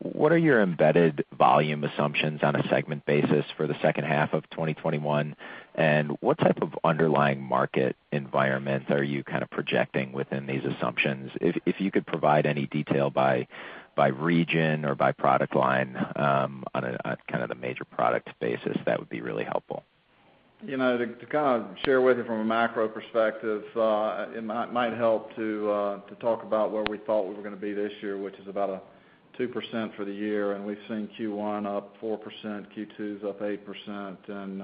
What are your embedded volume assumptions on a segment basis for the second half of 2021, and what type of underlying market environment are you kind of projecting within these assumptions? If you could provide any detail by region or by product line on kind of the major product basis, that would be really helpful. To kind of share with you from a macro perspective, it might help to talk about where we thought we were going to be this year, which is about a 2% for the year, and we've seen Q1 up 4%, Q2's up 8%, and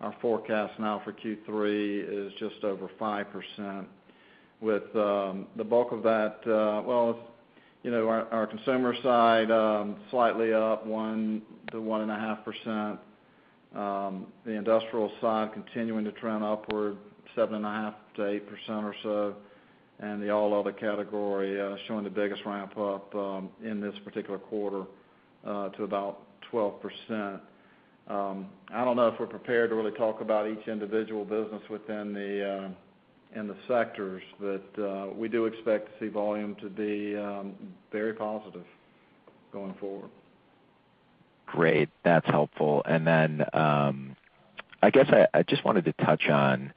our forecast now for Q3 is just over 5%, with the bulk of that. Well, our consumer side, slightly up 1%-1.5%. The industrial side continuing to trend upward 7.5%-8% or so, and the all other category showing the biggest ramp-up in this particular quarter to about 12%. I don't know if we're prepared to really talk about each individual business within the sectors, but we do expect to see volume to be very positive going forward. Great. That's helpful. I guess I just wanted to touch on,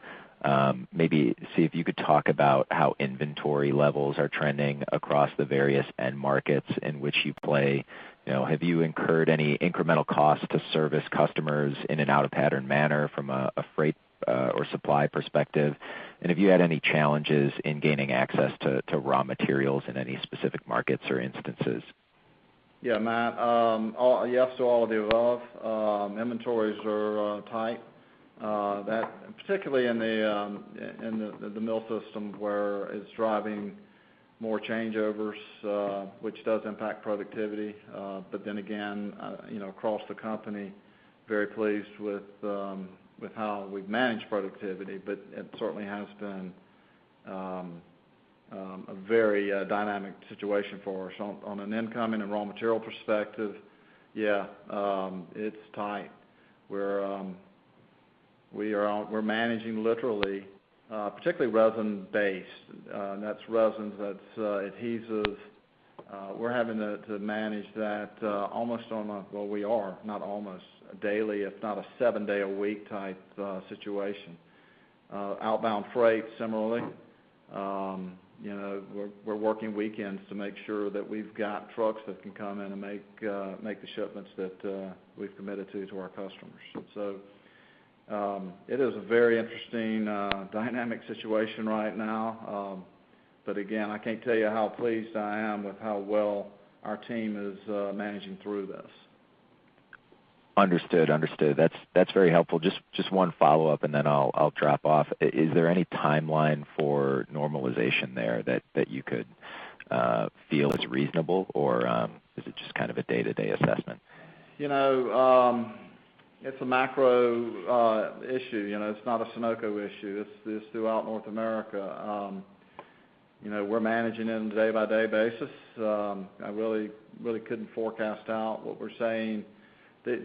maybe see if you could talk about how inventory levels are trending across the various end markets in which you play. Have you incurred any incremental cost to service customers in an out-of-pattern manner from a freight or supply perspective? Have you had any challenges in gaining access to raw materials in any specific markets or instances? Yeah, Matt. Yes to all of the above. Inventories are tight, particularly in the mill system where it's driving more changeovers, which does impact productivity. Across the company, very pleased with how we've managed productivity, but it certainly has been a very dynamic situation for us. On an incoming and raw material perspective, it's tight. We're managing literally, particularly resin based, and that's resins, that's adhesives. We're having to manage that almost on a, well, we are, not almost, a daily, if not a seven-day-a-week type situation. Outbound freight, similarly. We're working weekends to make sure that we've got trucks that can come in and make the shipments that we've committed to our customers. It is a very interesting, dynamic situation right now. I can't tell you how pleased I am with how well our team is managing through this. Understood. That's very helpful. Just one follow-up, and then I'll drop off. Is there any timeline for normalization there that you could feel is reasonable? Is it just kind of a day-to-day assessment? It's a macro issue. It's not a Sonoco issue. It's throughout North America. We're managing it on a day-by-day basis. I really couldn't forecast out what we're saying.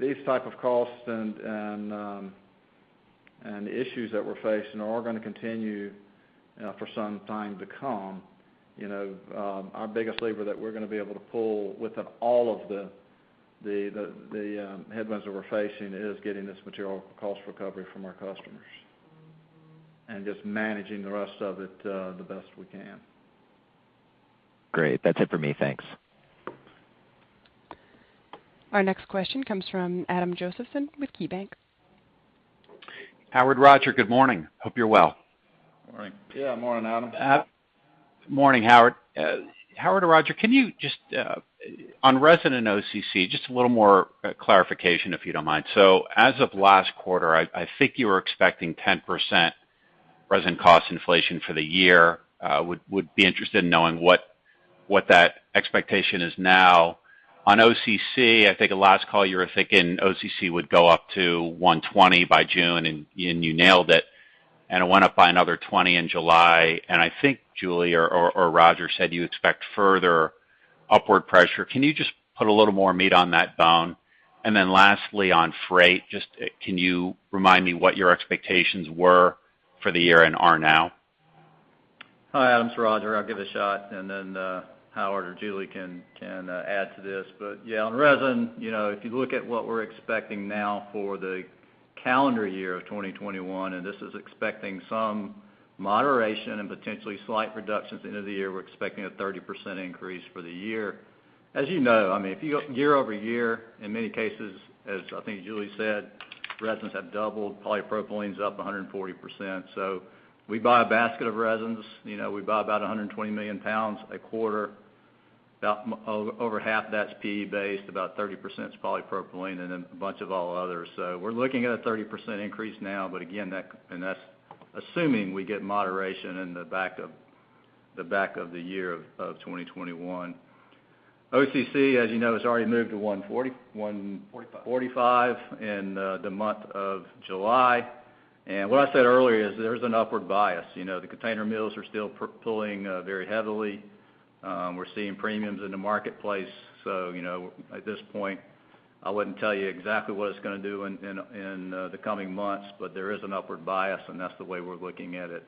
These type of costs and issues that we're facing are going to continue for some time to come. Our biggest lever that we're going to be able to pull with all of the headwinds that we're facing is getting this material cost recovery from our customers, and just managing the rest of it the best we can. Great. That's it for me. Thanks. Our next question comes from Adam Josephson with KeyBanc. Howard, Rodger, good morning. Hope you're well. Morning. Yeah, morning, Adam. Morning, Howard. Howard or Rodger, on resin and OCC, just a little more clarification, if you don't mind. As of last quarter, I think you were expecting 10% resin cost inflation for the year. Would be interested in knowing what that expectation is now. On OCC, I think at last call, you were thinking OCC would go up to $120 by June, and you nailed it, and it went up by another $20 in July. I think Julie or Rodger said you expect further upward pressure. Can you just put a little more meat on that bone? Lastly, on freight, just can you remind me what your expectations were for the year and are now? Hi, Adam. It's Rodger. I'll give it a shot, and then Howard or Julie can add to this. Yeah, on resin, if you look at what we're expecting now for the calendar year of 2021, and this is expecting some moderation and potentially slight reductions into the year, we're expecting a 30% increase for the year. As you know, if you go year-over-year, in many cases, as I think Julie said, resins have doubled. Polypropylene's up 140%. We buy a basket of resins. We buy about 120 million pounds a quarter. Over half of that's PE based, about 30% is polypropylene, and then a bunch of all others. We're looking at a 30% increase now, but again, that's assuming we get moderation in the back of the year of 2021. OCC, as you know, has already moved to $140? $145. $145 in the month of July. What I said earlier is there's an upward bias. The container mills are still pulling very heavily. We're seeing premiums in the marketplace. At this point, I wouldn't tell you exactly what it's going to do in the coming months, but there is an upward bias, and that's the way we're looking at it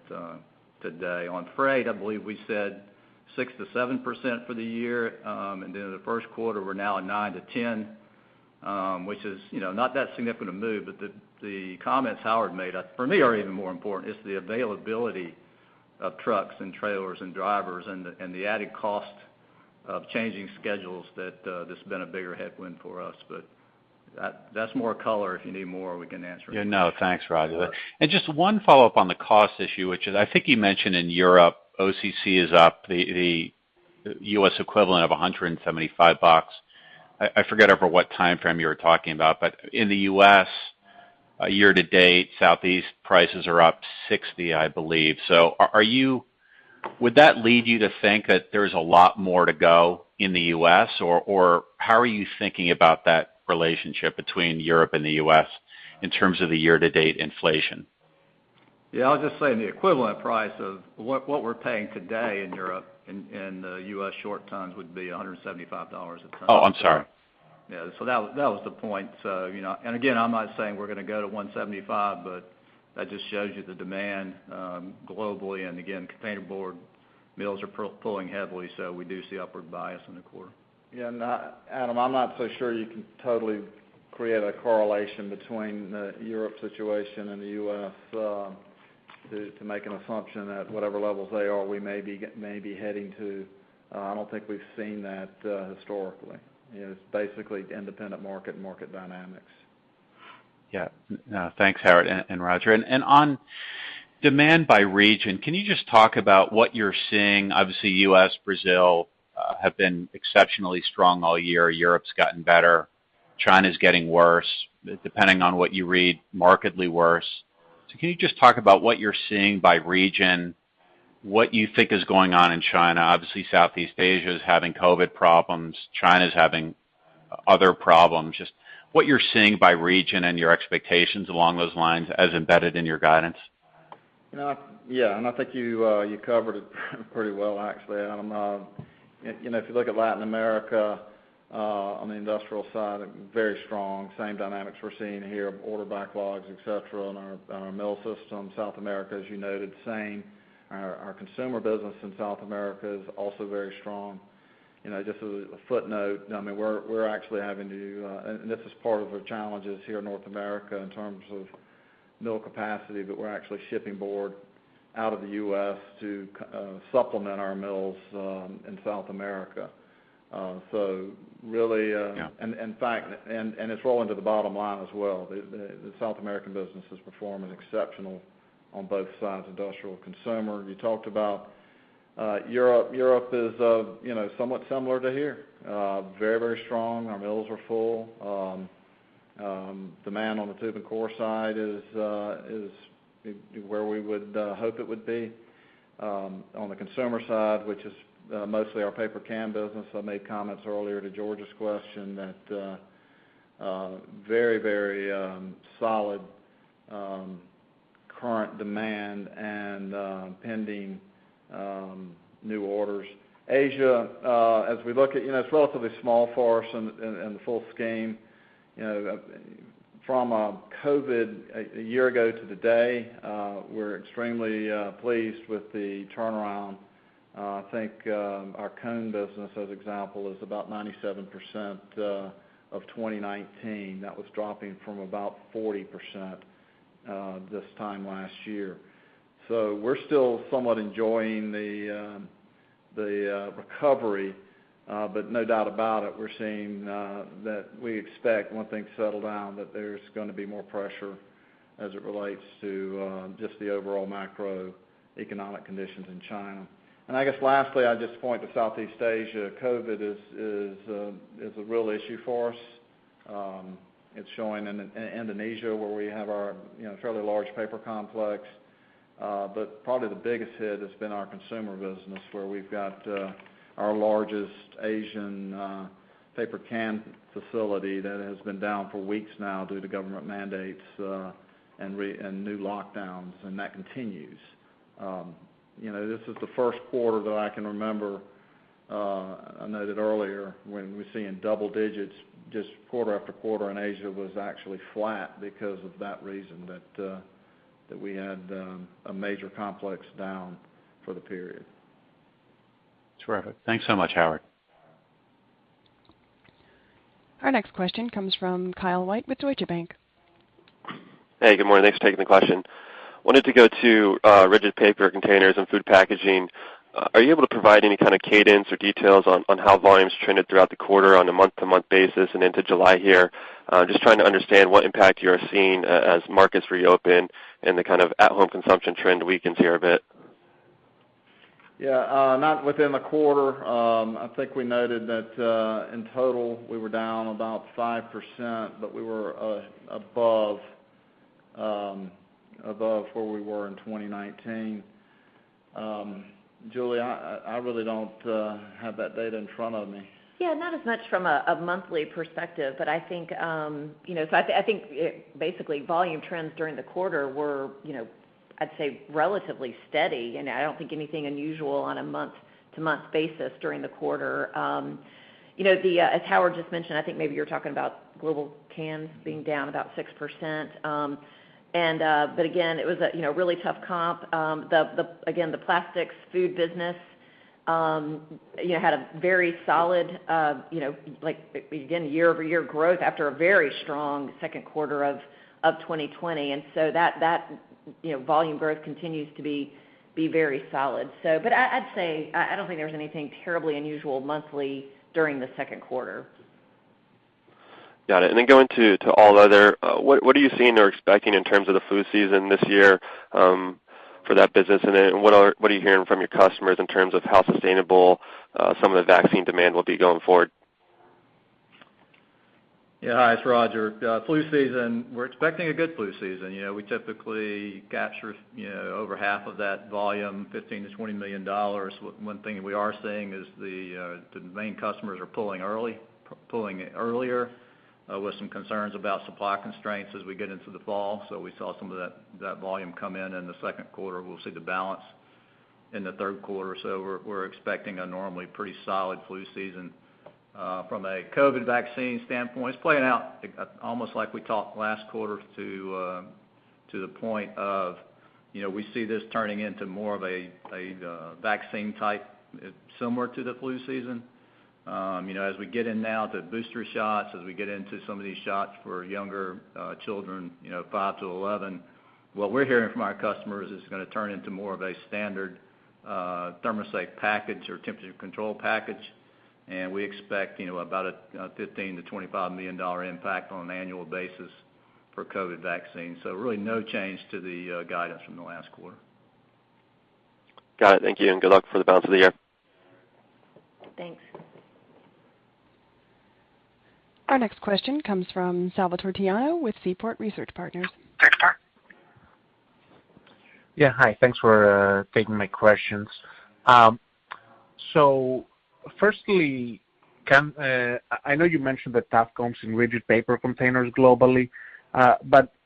today. On freight, I believe we said 6%-7% for the year. In the first quarter, we're now at 9%-10%, which is not that significant a move. The comments Howard made, for me, are even more important, is the availability of trucks and trailers and drivers, and the added cost of changing schedules that's been a bigger headwind for us. That's more color. If you need more, we can answer. Yeah, no. Thanks, Rodger. Just one follow-up on the cost issue, which is, I think you mentioned in Europe, OCC is up the U.S. equivalent of $175. I forget over what timeframe you were talking about, but in the U.S., year to date, Southeast prices are up $60, I believe. Would that lead you to think that there's a lot more to go in the U.S.? Or how are you thinking about that relationship between Europe and the U.S. in terms of the year to date inflation? Yeah, I was just saying the equivalent price of what we're paying today in Europe in US short tons would be $175 a ton. Oh, I'm sorry. Yeah. That was the point. Again, I'm not saying we're going to go to $175, but that just shows you the demand globally. Again, container board mills are pulling heavily, so we do see upward bias in the quarter. Yeah. Adam, I'm not so sure you can totally create a correlation between the Europe situation and the U.S. to make an assumption that whatever levels they are, we may be heading to. I don't think we've seen that historically. It's basically independent market and market dynamics. Yeah. Thanks, Howard and Rodger. On demand by region, can you just talk about what you're seeing? Obviously, U.S., Brazil have been exceptionally strong all year. Europe's gotten better. China's getting worse, depending on what you read, markedly worse. Can you just talk about what you're seeing by region, what you think is going on in China? Obviously, Southeast Asia is having COVID problems. China's having other problems. Just what you're seeing by region and your expectations along those lines as embedded in your guidance. Yeah. I think you covered it pretty well actually, Adam. If you look at Latin America, on the industrial side, very strong. Same dynamics we're seeing here of order backlogs, et cetera, in our mill system. South America, as you noted, same. Our consumer business in South America is also very strong. Just as a footnote, we're actually having to, and this is part of the challenges here in North America in terms of mill capacity, but we're actually shipping board out of the U.S. to supplement our mills in South America. Yeah It's rolling to the bottom line as well. The South American business is performing exceptional on both sides, industrial and consumer. You talked about Europe. Europe is somewhat similar to here. Very strong. Our mills are full. Demand on the tube and core side is where we would hope it would be. On the consumer side, which is mostly our paper can business, I made comments earlier to George's question that very solid current demand and pending new orders. Asia, as we look at, it's relatively small for us in the full scheme. From COVID, a year ago to today, we're extremely pleased with the turnaround. I think our cone business, as example, is about 97% of 2019. That was dropping from about 40% this time last year. We're still somewhat enjoying the recovery, but no doubt about it, we're seeing that we expect, once things settle down, that there's going to be more pressure as it relates to just the overall macroeconomic conditions in China. I guess lastly, I'd just point to Southeast Asia. COVID is a real issue for us. It's showing in Indonesia where we have our fairly large paper complex. Probably the biggest hit has been our consumer business, where we've got our largest Asian paper can facility that has been down for weeks now due to government mandates and new lockdowns, and that continues. This is the first quarter that I can remember, I noted earlier, when we're seeing double digits, just quarter after quarter in Asia was actually flat because of that reason, that we had a major complex down for the period. Terrific. Thanks so much, Howard. Our next question comes from Kyle White with Deutsche Bank. Hey, good morning. Thanks for taking the question. Wanted to go to rigid paper containers and food packaging. Are you able to provide any kind of cadence or details on how volumes trended throughout the quarter on a month-to-month basis and into July here? Just trying to understand what impact you are seeing as markets reopen and the kind of at-home consumption trend weakens here a bit. Yeah. Not within the quarter. I think we noted that, in total, we were down about 5%, but we were above where we were in 2019. Julie, I really don't have that data in front of me. Yeah, not as much from a monthly perspective. I think, basically, volume trends during the quarter were, I'd say, relatively steady, and I don't think anything unusual on a month-to-month basis during the quarter. As Howard just mentioned, I think maybe you're talking about global cans being down about 6%. Again, it was a really tough comp. Again, the plastics food business had a very solid, again, year-over-year growth after a very strong second quarter of 2020. That volume growth continues to be very solid. I'd say, I don't think there was anything terribly unusual monthly during the second quarter. Got it. Going to all other, what are you seeing or expecting in terms of the flu season this year for that business? What are you hearing from your customers in terms of how sustainable some of the vaccine demand will be going forward? Yeah. It is Rodger. Flu season, we are expecting a good flu season. We typically capture over half of that volume, $15 million to $20 million. One thing we are seeing is the main customers are pulling it earlier with some concerns about supply constraints as we get into the fall. We saw some of that volume come in in the second quarter. We will see the balance in the third quarter or so. We are expecting a normally pretty solid flu season. From a COVID vaccine standpoint, it is playing out almost like we talked last quarter to the point of we see this turning into more of a vaccine type similar to the flu season. As we get in now to booster shots, as we get into some of these shots for younger children, 5-11, what we're hearing from our customers is it's going to turn into more of a standard ThermoSafe package or temperature control package. We expect about a $15 million-$25 million impact on an annual basis for COVID vaccines. Really no change to the guidance from the last quarter. Got it. Thank you, and good luck for the balance of the year. Thanks. Our next question comes from Salvator Tiano with Seaport Research Partners. Yeah. Hi. Thanks for taking my questions. Firstly, I know you mentioned the tough comps in rigid paper containers globally.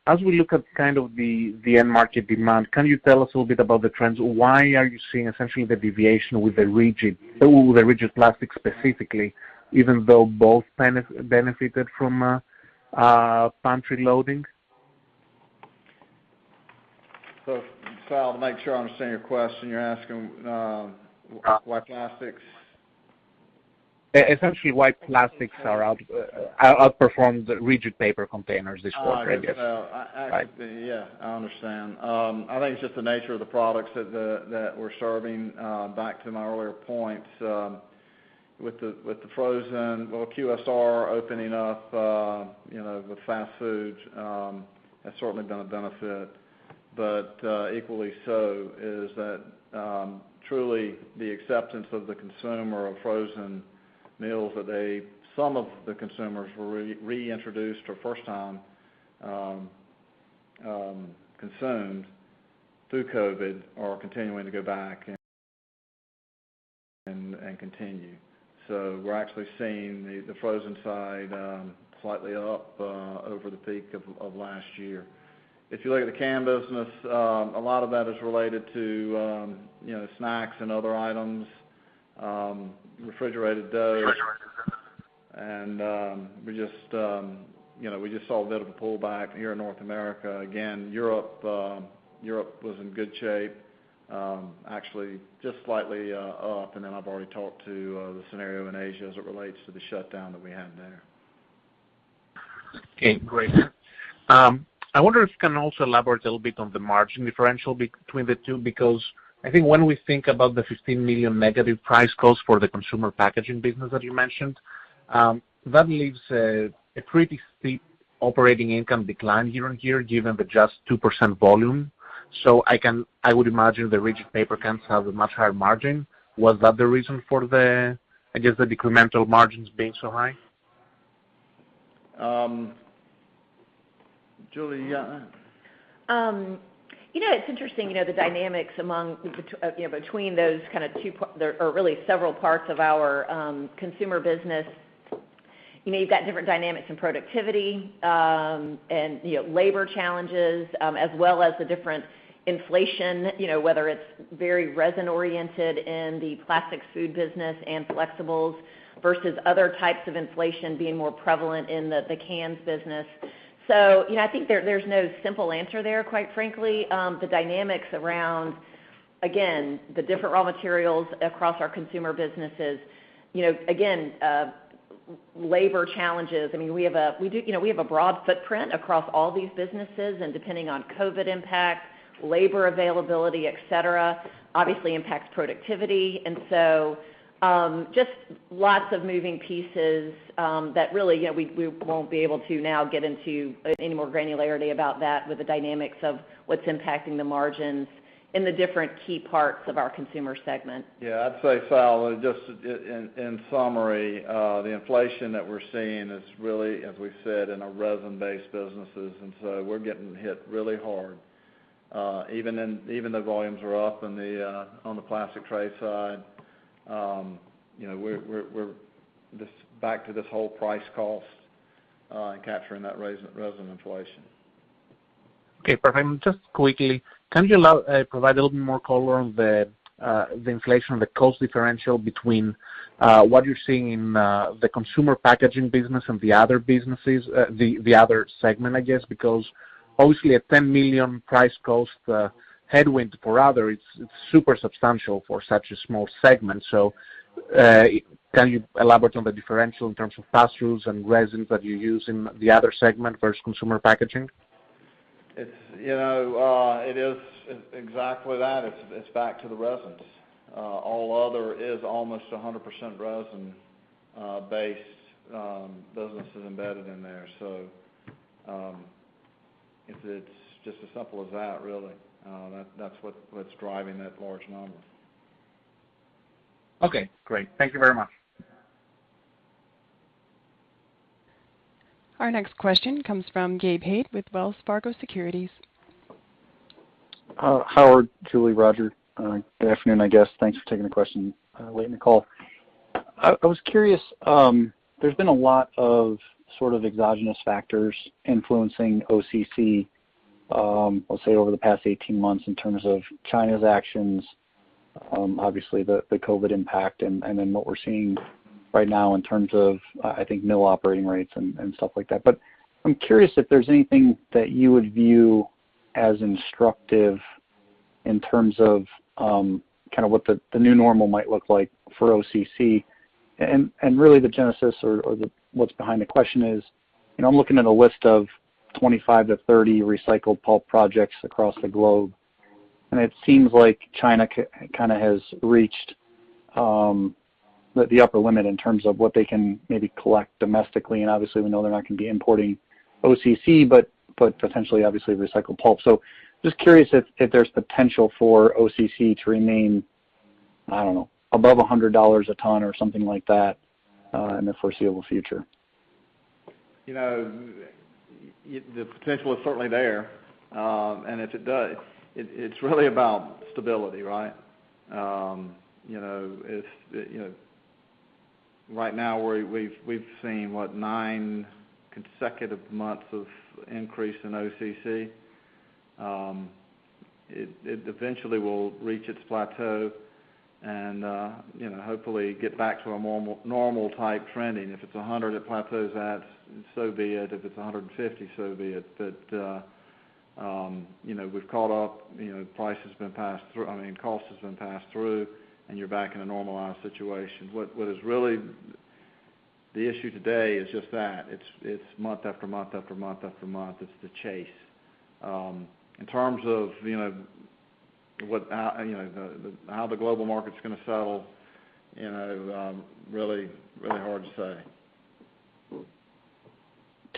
As we look at kind of the end market demand, can you tell us a little bit about the trends? Why are you seeing essentially the deviation with the rigid plastic specifically, even though both benefited from pantry loading? Sal, to make sure I understand your question, you're asking why plastics? Essentially why plastics outperformed rigid paper containers this quarter, I guess. Oh, I get you. Sal. Yeah, I understand. Equally so is that truly the acceptance of the consumer of frozen meals, some of the consumers were reintroduced or first time consumed through COVID, are continuing to go back and continue. So we're actually seeing the frozen side slightly up over the peak of last year. If you look at the can business, a lot of that is related to snacks and other items, refrigerated dough. We just saw a bit of a pullback here in North America. Europe was in good shape, actually just slightly up, and then I've already talked to the scenario in Asia as it relates to the shutdown that we had there. Okay, great. I wonder if you can also elaborate a little bit on the margin differential between the two, because I think when we think about the $15 million negative price cost for the consumer packaging business that you mentioned, that leaves a pretty steep operating income decline year-on-year, given the just 2% volume. I would imagine the rigid paper cans have a much higher margin. Was that the reason for the, I guess, the decremental margins being so high? Julie, you got that? It's interesting, the dynamics between those kind of two or really several parts of our consumer business. You've got different dynamics in productivity, and labor challenges, as well as the different inflation, whether it's very resin oriented in the plastics food business and flexibles versus other types of inflation being more prevalent in the cans business. I think there's no simple answer there, quite frankly. The dynamics around, again, the different raw materials across our consumer businesses. Again, labor challenges. We have a broad footprint across all these businesses, and depending on COVID impact, labor availability, et cetera, obviously impacts productivity. Just lots of moving pieces that really we won't be able to now get into any more granularity about that with the dynamics of what's impacting the margins in the different key parts of our consumer segment. Yeah, I'd say, Sal, just in summary, the inflation that we're seeing is really, as we've said, in our resin-based businesses. We're getting hit really hard. Even the volumes are up on the plastic tray side. We're just back to this whole price cost and capturing that resin inflation. Okay, perfect. Just quickly, can you provide a little bit more color on the inflation on the cost differential between what you're seeing in the consumer packaging business and the other businesses, the other segment, I guess? Obviously a $10 million price cost headwind for other, it's super substantial for such a small segment. Can you elaborate on the differential in terms of fasteners and resins that you use in the other segment versus consumer packaging? It is exactly that. It's back to the resins. All other is almost 100% resin-based businesses embedded in there. It's just as simple as that, really. That's what's driving that large number. Okay, great. Thank you very much. Our next question comes from Gabe Hajde with Wells Fargo Securities. Howard, Julie, Rodger, good afternoon, I guess. Thanks for taking the question late in the call. I was curious. There's been a lot of sort of exogenous factors influencing OCC, I'll say over the past 18 months in terms of China's actions, obviously the COVID impact, and then what we're seeing right now in terms of, I think, mill operating rates and stuff like that. I'm curious if there's anything that you would view as instructive in terms of kind of what the new normal might look like for OCC. Really the genesis or what's behind the question is, I'm looking at a list of 25-30 recycled pulp projects across the globe, and it seems like China kind of has reached the upper limit in terms of what they can maybe collect domestically. Obviously we know they're not going to be importing OCC, but potentially obviously recycled pulp. Just curious if there's potential for OCC to remain, I don't know, above $100 a ton or something like that in the foreseeable future. The potential is certainly there, and if it does, it's really about stability, right? Right now, we've seen, what, nine consecutive months of increase in OCC. It eventually will reach its plateau and hopefully get back to a normal type trending. If it's 100 it plateaus at, so be it. If it's 150, so be it. We've caught up, cost has been passed through, and you're back in a normalized situation. What is really the issue today is just that. It's month after month after month after month. It's the chase. In terms of how the global market's going to settle, really hard to say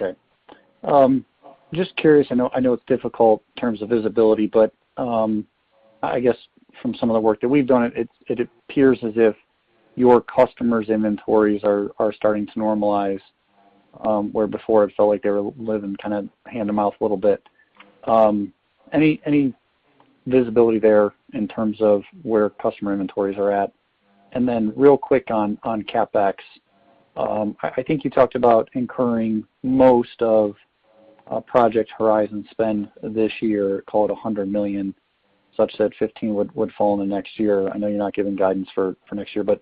Okay. Just curious, I know it's difficult in terms of visibility, but I guess from some of the work that we've done, it appears as if your customers' inventories are starting to normalize, where before it felt like they were living kind of hand-to-mouth a little bit. Any visibility there in terms of where customer inventories are at? Then real quick on CapEx, I think you talked about incurring most of Project Horizon spend this year, call it $100 million, such that $15 million would fall into next year. I know you're not giving guidance for next year, but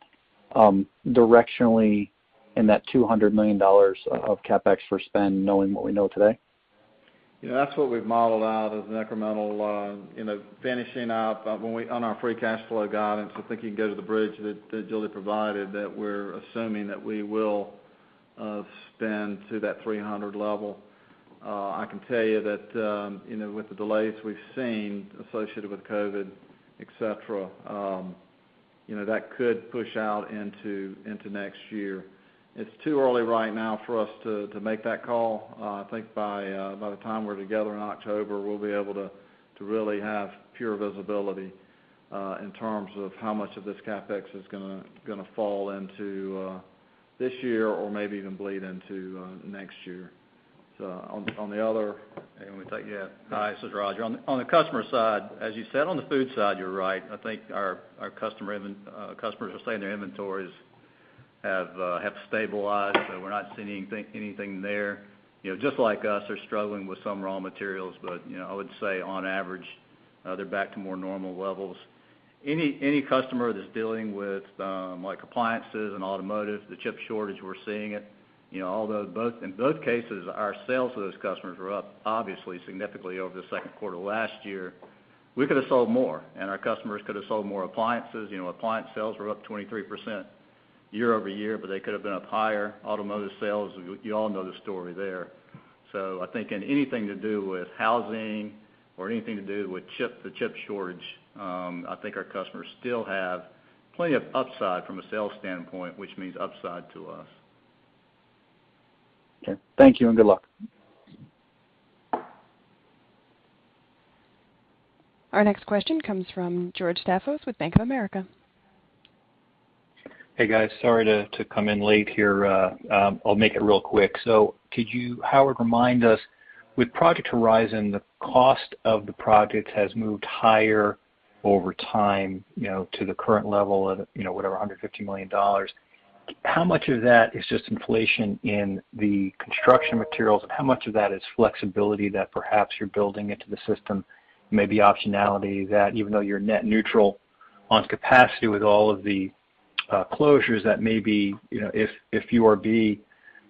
directionally in that $200 million of CapEx for spend, knowing what we know today? Yeah, that's what we've modeled out as an incremental, finishing up on our free cash flow guidance. I think you can go to the bridge that Julie provided, that we're assuming that we will spend to that $300 level. I can tell you that with the delays we've seen associated with COVID, et cetera, that could push out into next year. It's too early right now for us to make that call. I think by the time we're together in October, we'll be able to really have pure visibility in terms of how much of this CapEx is going to fall into this year or maybe even bleed into next year. Hi, this is Rodger. On the customer side, as you said on the food side, you're right. I think our customers are saying their inventories have stabilized. We're not seeing anything there. Just like us, they're struggling with some raw materials. I would say on average, they're back to more normal levels. Any customer that's dealing with appliances and automotive, the chip shortage, we're seeing it. In both cases, our sales to those customers were up obviously significantly over the second quarter last year. We could've sold more, and our customers could've sold more appliances. Appliance sales were up 23% year-over-year, but they could've been up higher. Automotive sales, you all know the story there. I think in anything to do with housing or anything to do with the chip shortage, I think our customers still have plenty of upside from a sales standpoint, which means upside to us. Okay. Thank you, and good luck. Our next question comes from George Staphos with Bank of America. Hey, guys. Sorry to come in late here. I'll make it real quick. Could you, Howard, remind us, with Project Horizon, the cost of the project has moved higher over time to the current level of whatever, $150 million. How much of that is just inflation in the construction materials, and how much of that is flexibility that perhaps you're building into the system, maybe optionality that even though you're net neutral on capacity with all of the closures, that maybe if URB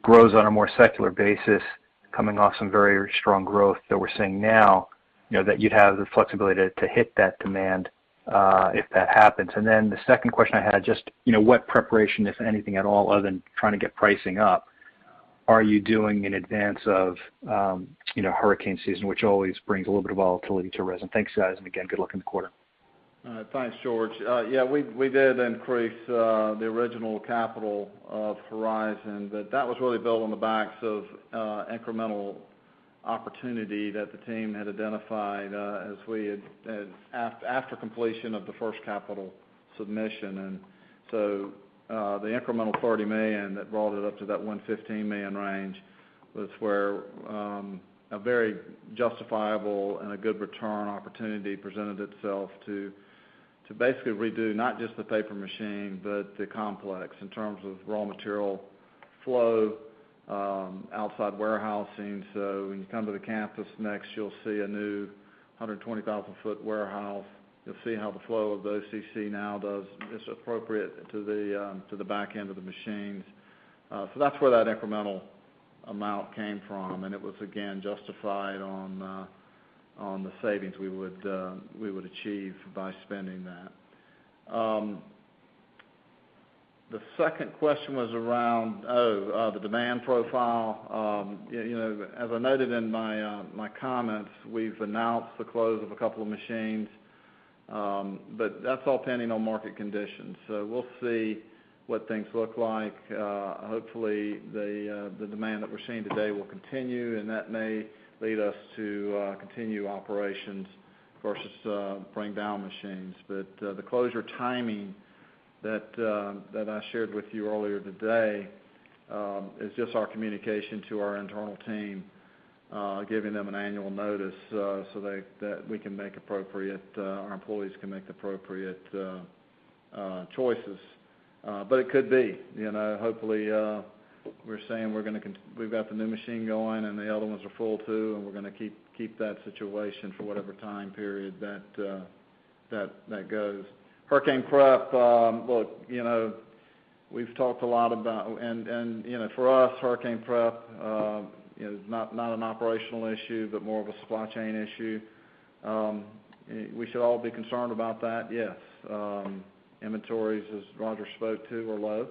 grows on a more secular basis coming off some very strong growth that we're seeing now, that you'd have the flexibility to hit that demand if that happens? The second question I had, just what preparation, if anything at all other than trying to get pricing up, are you doing in advance of hurricane season, which always brings a little bit of volatility to resin? Thanks, guys. Again, good luck in the quarter. Thanks, George. We did increase the original capital of Horizon, that was really built on the backs of incremental opportunity that the team had identified after completion of the first capital submission. The incremental $30 million that brought it up to that $115 million range was where a very justifiable and a good return opportunity presented itself to basically redo not just the paper machine, but the complex in terms of raw material flow, outside warehousing. When you come to the campus next, you'll see a new 120,000 ft warehouse. You'll see how the flow of the OCC now does. It's appropriate to the back end of the machines. That's where that incremental amount came from, and it was again justified on the savings we would achieve by spending that. The second question was around the demand profile. As I noted in my comments, we've announced the close of a couple of machines, but that's all pending on market conditions. We'll see what things look like. Hopefully, the demand that we're seeing today will continue, and that may lead us to continue operations versus bring down machines. The closure timing that I shared with you earlier today is just our communication to our internal team giving them an annual notice so our employees can make appropriate choices. It could be. Hopefully, we're saying we've got the new machine going, and the other ones are full too, and we're going to keep that situation for whatever time period that goes. Hurricane prep, for us, hurricane prep is not an operational issue, but more of a supply chain issue. We should all be concerned about that, yes. Inventories, as Rodger spoke to, are low.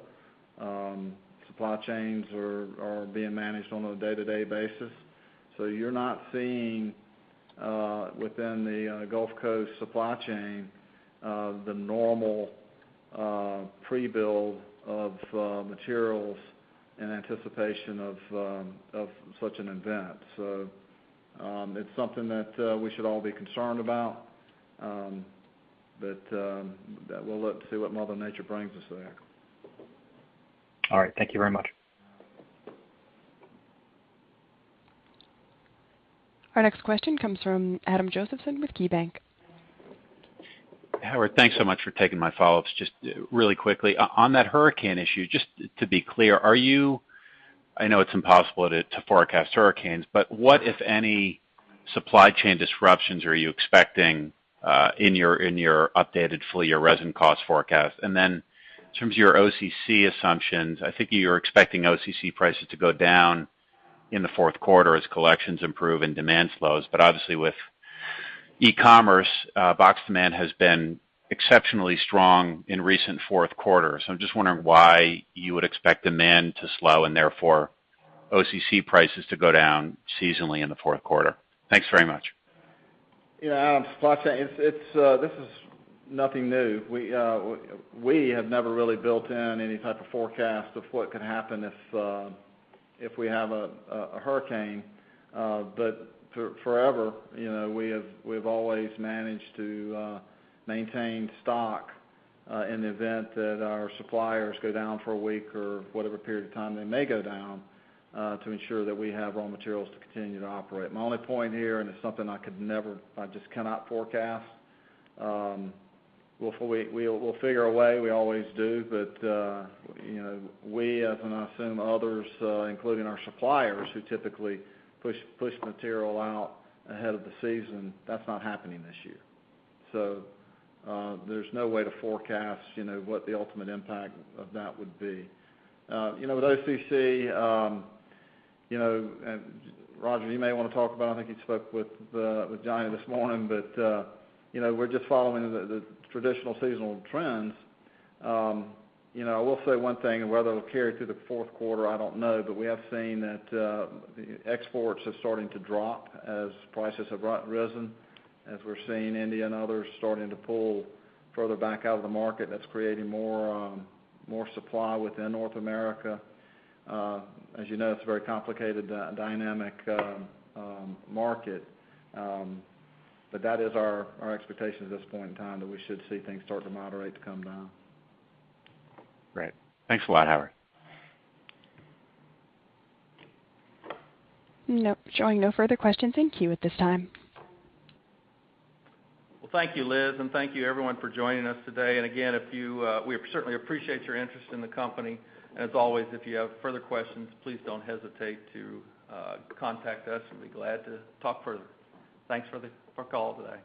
Supply chains are being managed on a day-to-day basis. You're not seeing within the Gulf Coast supply chain the normal pre-build of materials in anticipation of such an event. It's something that we should all be concerned about. We'll look to see what Mother Nature brings us there. All right. Thank you very much. Our next question comes from Adam Josephson with KeyBanc. Howard, thanks so much for taking my follow-ups. Just really quickly, on that hurricane issue, just to be clear, I know it's impossible to forecast hurricanes, but what, if any, supply chain disruptions are you expecting in your updated full-year resin cost forecast? Then in terms of your OCC assumptions, I think you're expecting OCC prices to go down in the fourth quarter as collections improve and demand slows. Obviously with e-commerce, box demand has been exceptionally strong in recent fourth quarters. I'm just wondering why you would expect demand to slow and therefore OCC prices to go down seasonally in the fourth quarter. Thanks very much. Yeah, Adam Josephson, supply chain, this is nothing new. We have never really built in any type of forecast of what could happen if we have a hurricane. Forever we've always managed to maintain stock in the event that our suppliers go down for a week or whatever period of time they may go down, to ensure that we have raw materials to continue to operate. My only point here, it's something I just cannot forecast, we'll figure a way, we always do. We, as I assume others, including our suppliers who typically push material out ahead of the season, that's not happening this year. There's no way to forecast what the ultimate impact of that would be. With OCC, Rodger, you may want to talk about it. I think you spoke with Johnny this morning. We're just following the traditional seasonal trends. I will say one thing, whether it'll carry through the fourth quarter, I don't know, we have seen that exports are starting to drop as prices have risen, as we're seeing India and others starting to pull further back out of the market. That's creating more supply within North America. As you know, it's a very complicated, dynamic market. That is our expectation at this point in time, that we should see things start to moderate to come down. Great. Thanks a lot, Howard. Showing no further questions in queue at this time. Well, thank you, Liz, and thank you everyone for joining us today. Again, we certainly appreciate your interest in the company. As always, if you have further questions, please don't hesitate to contact us. We'll be glad to talk further. Thanks for calling today.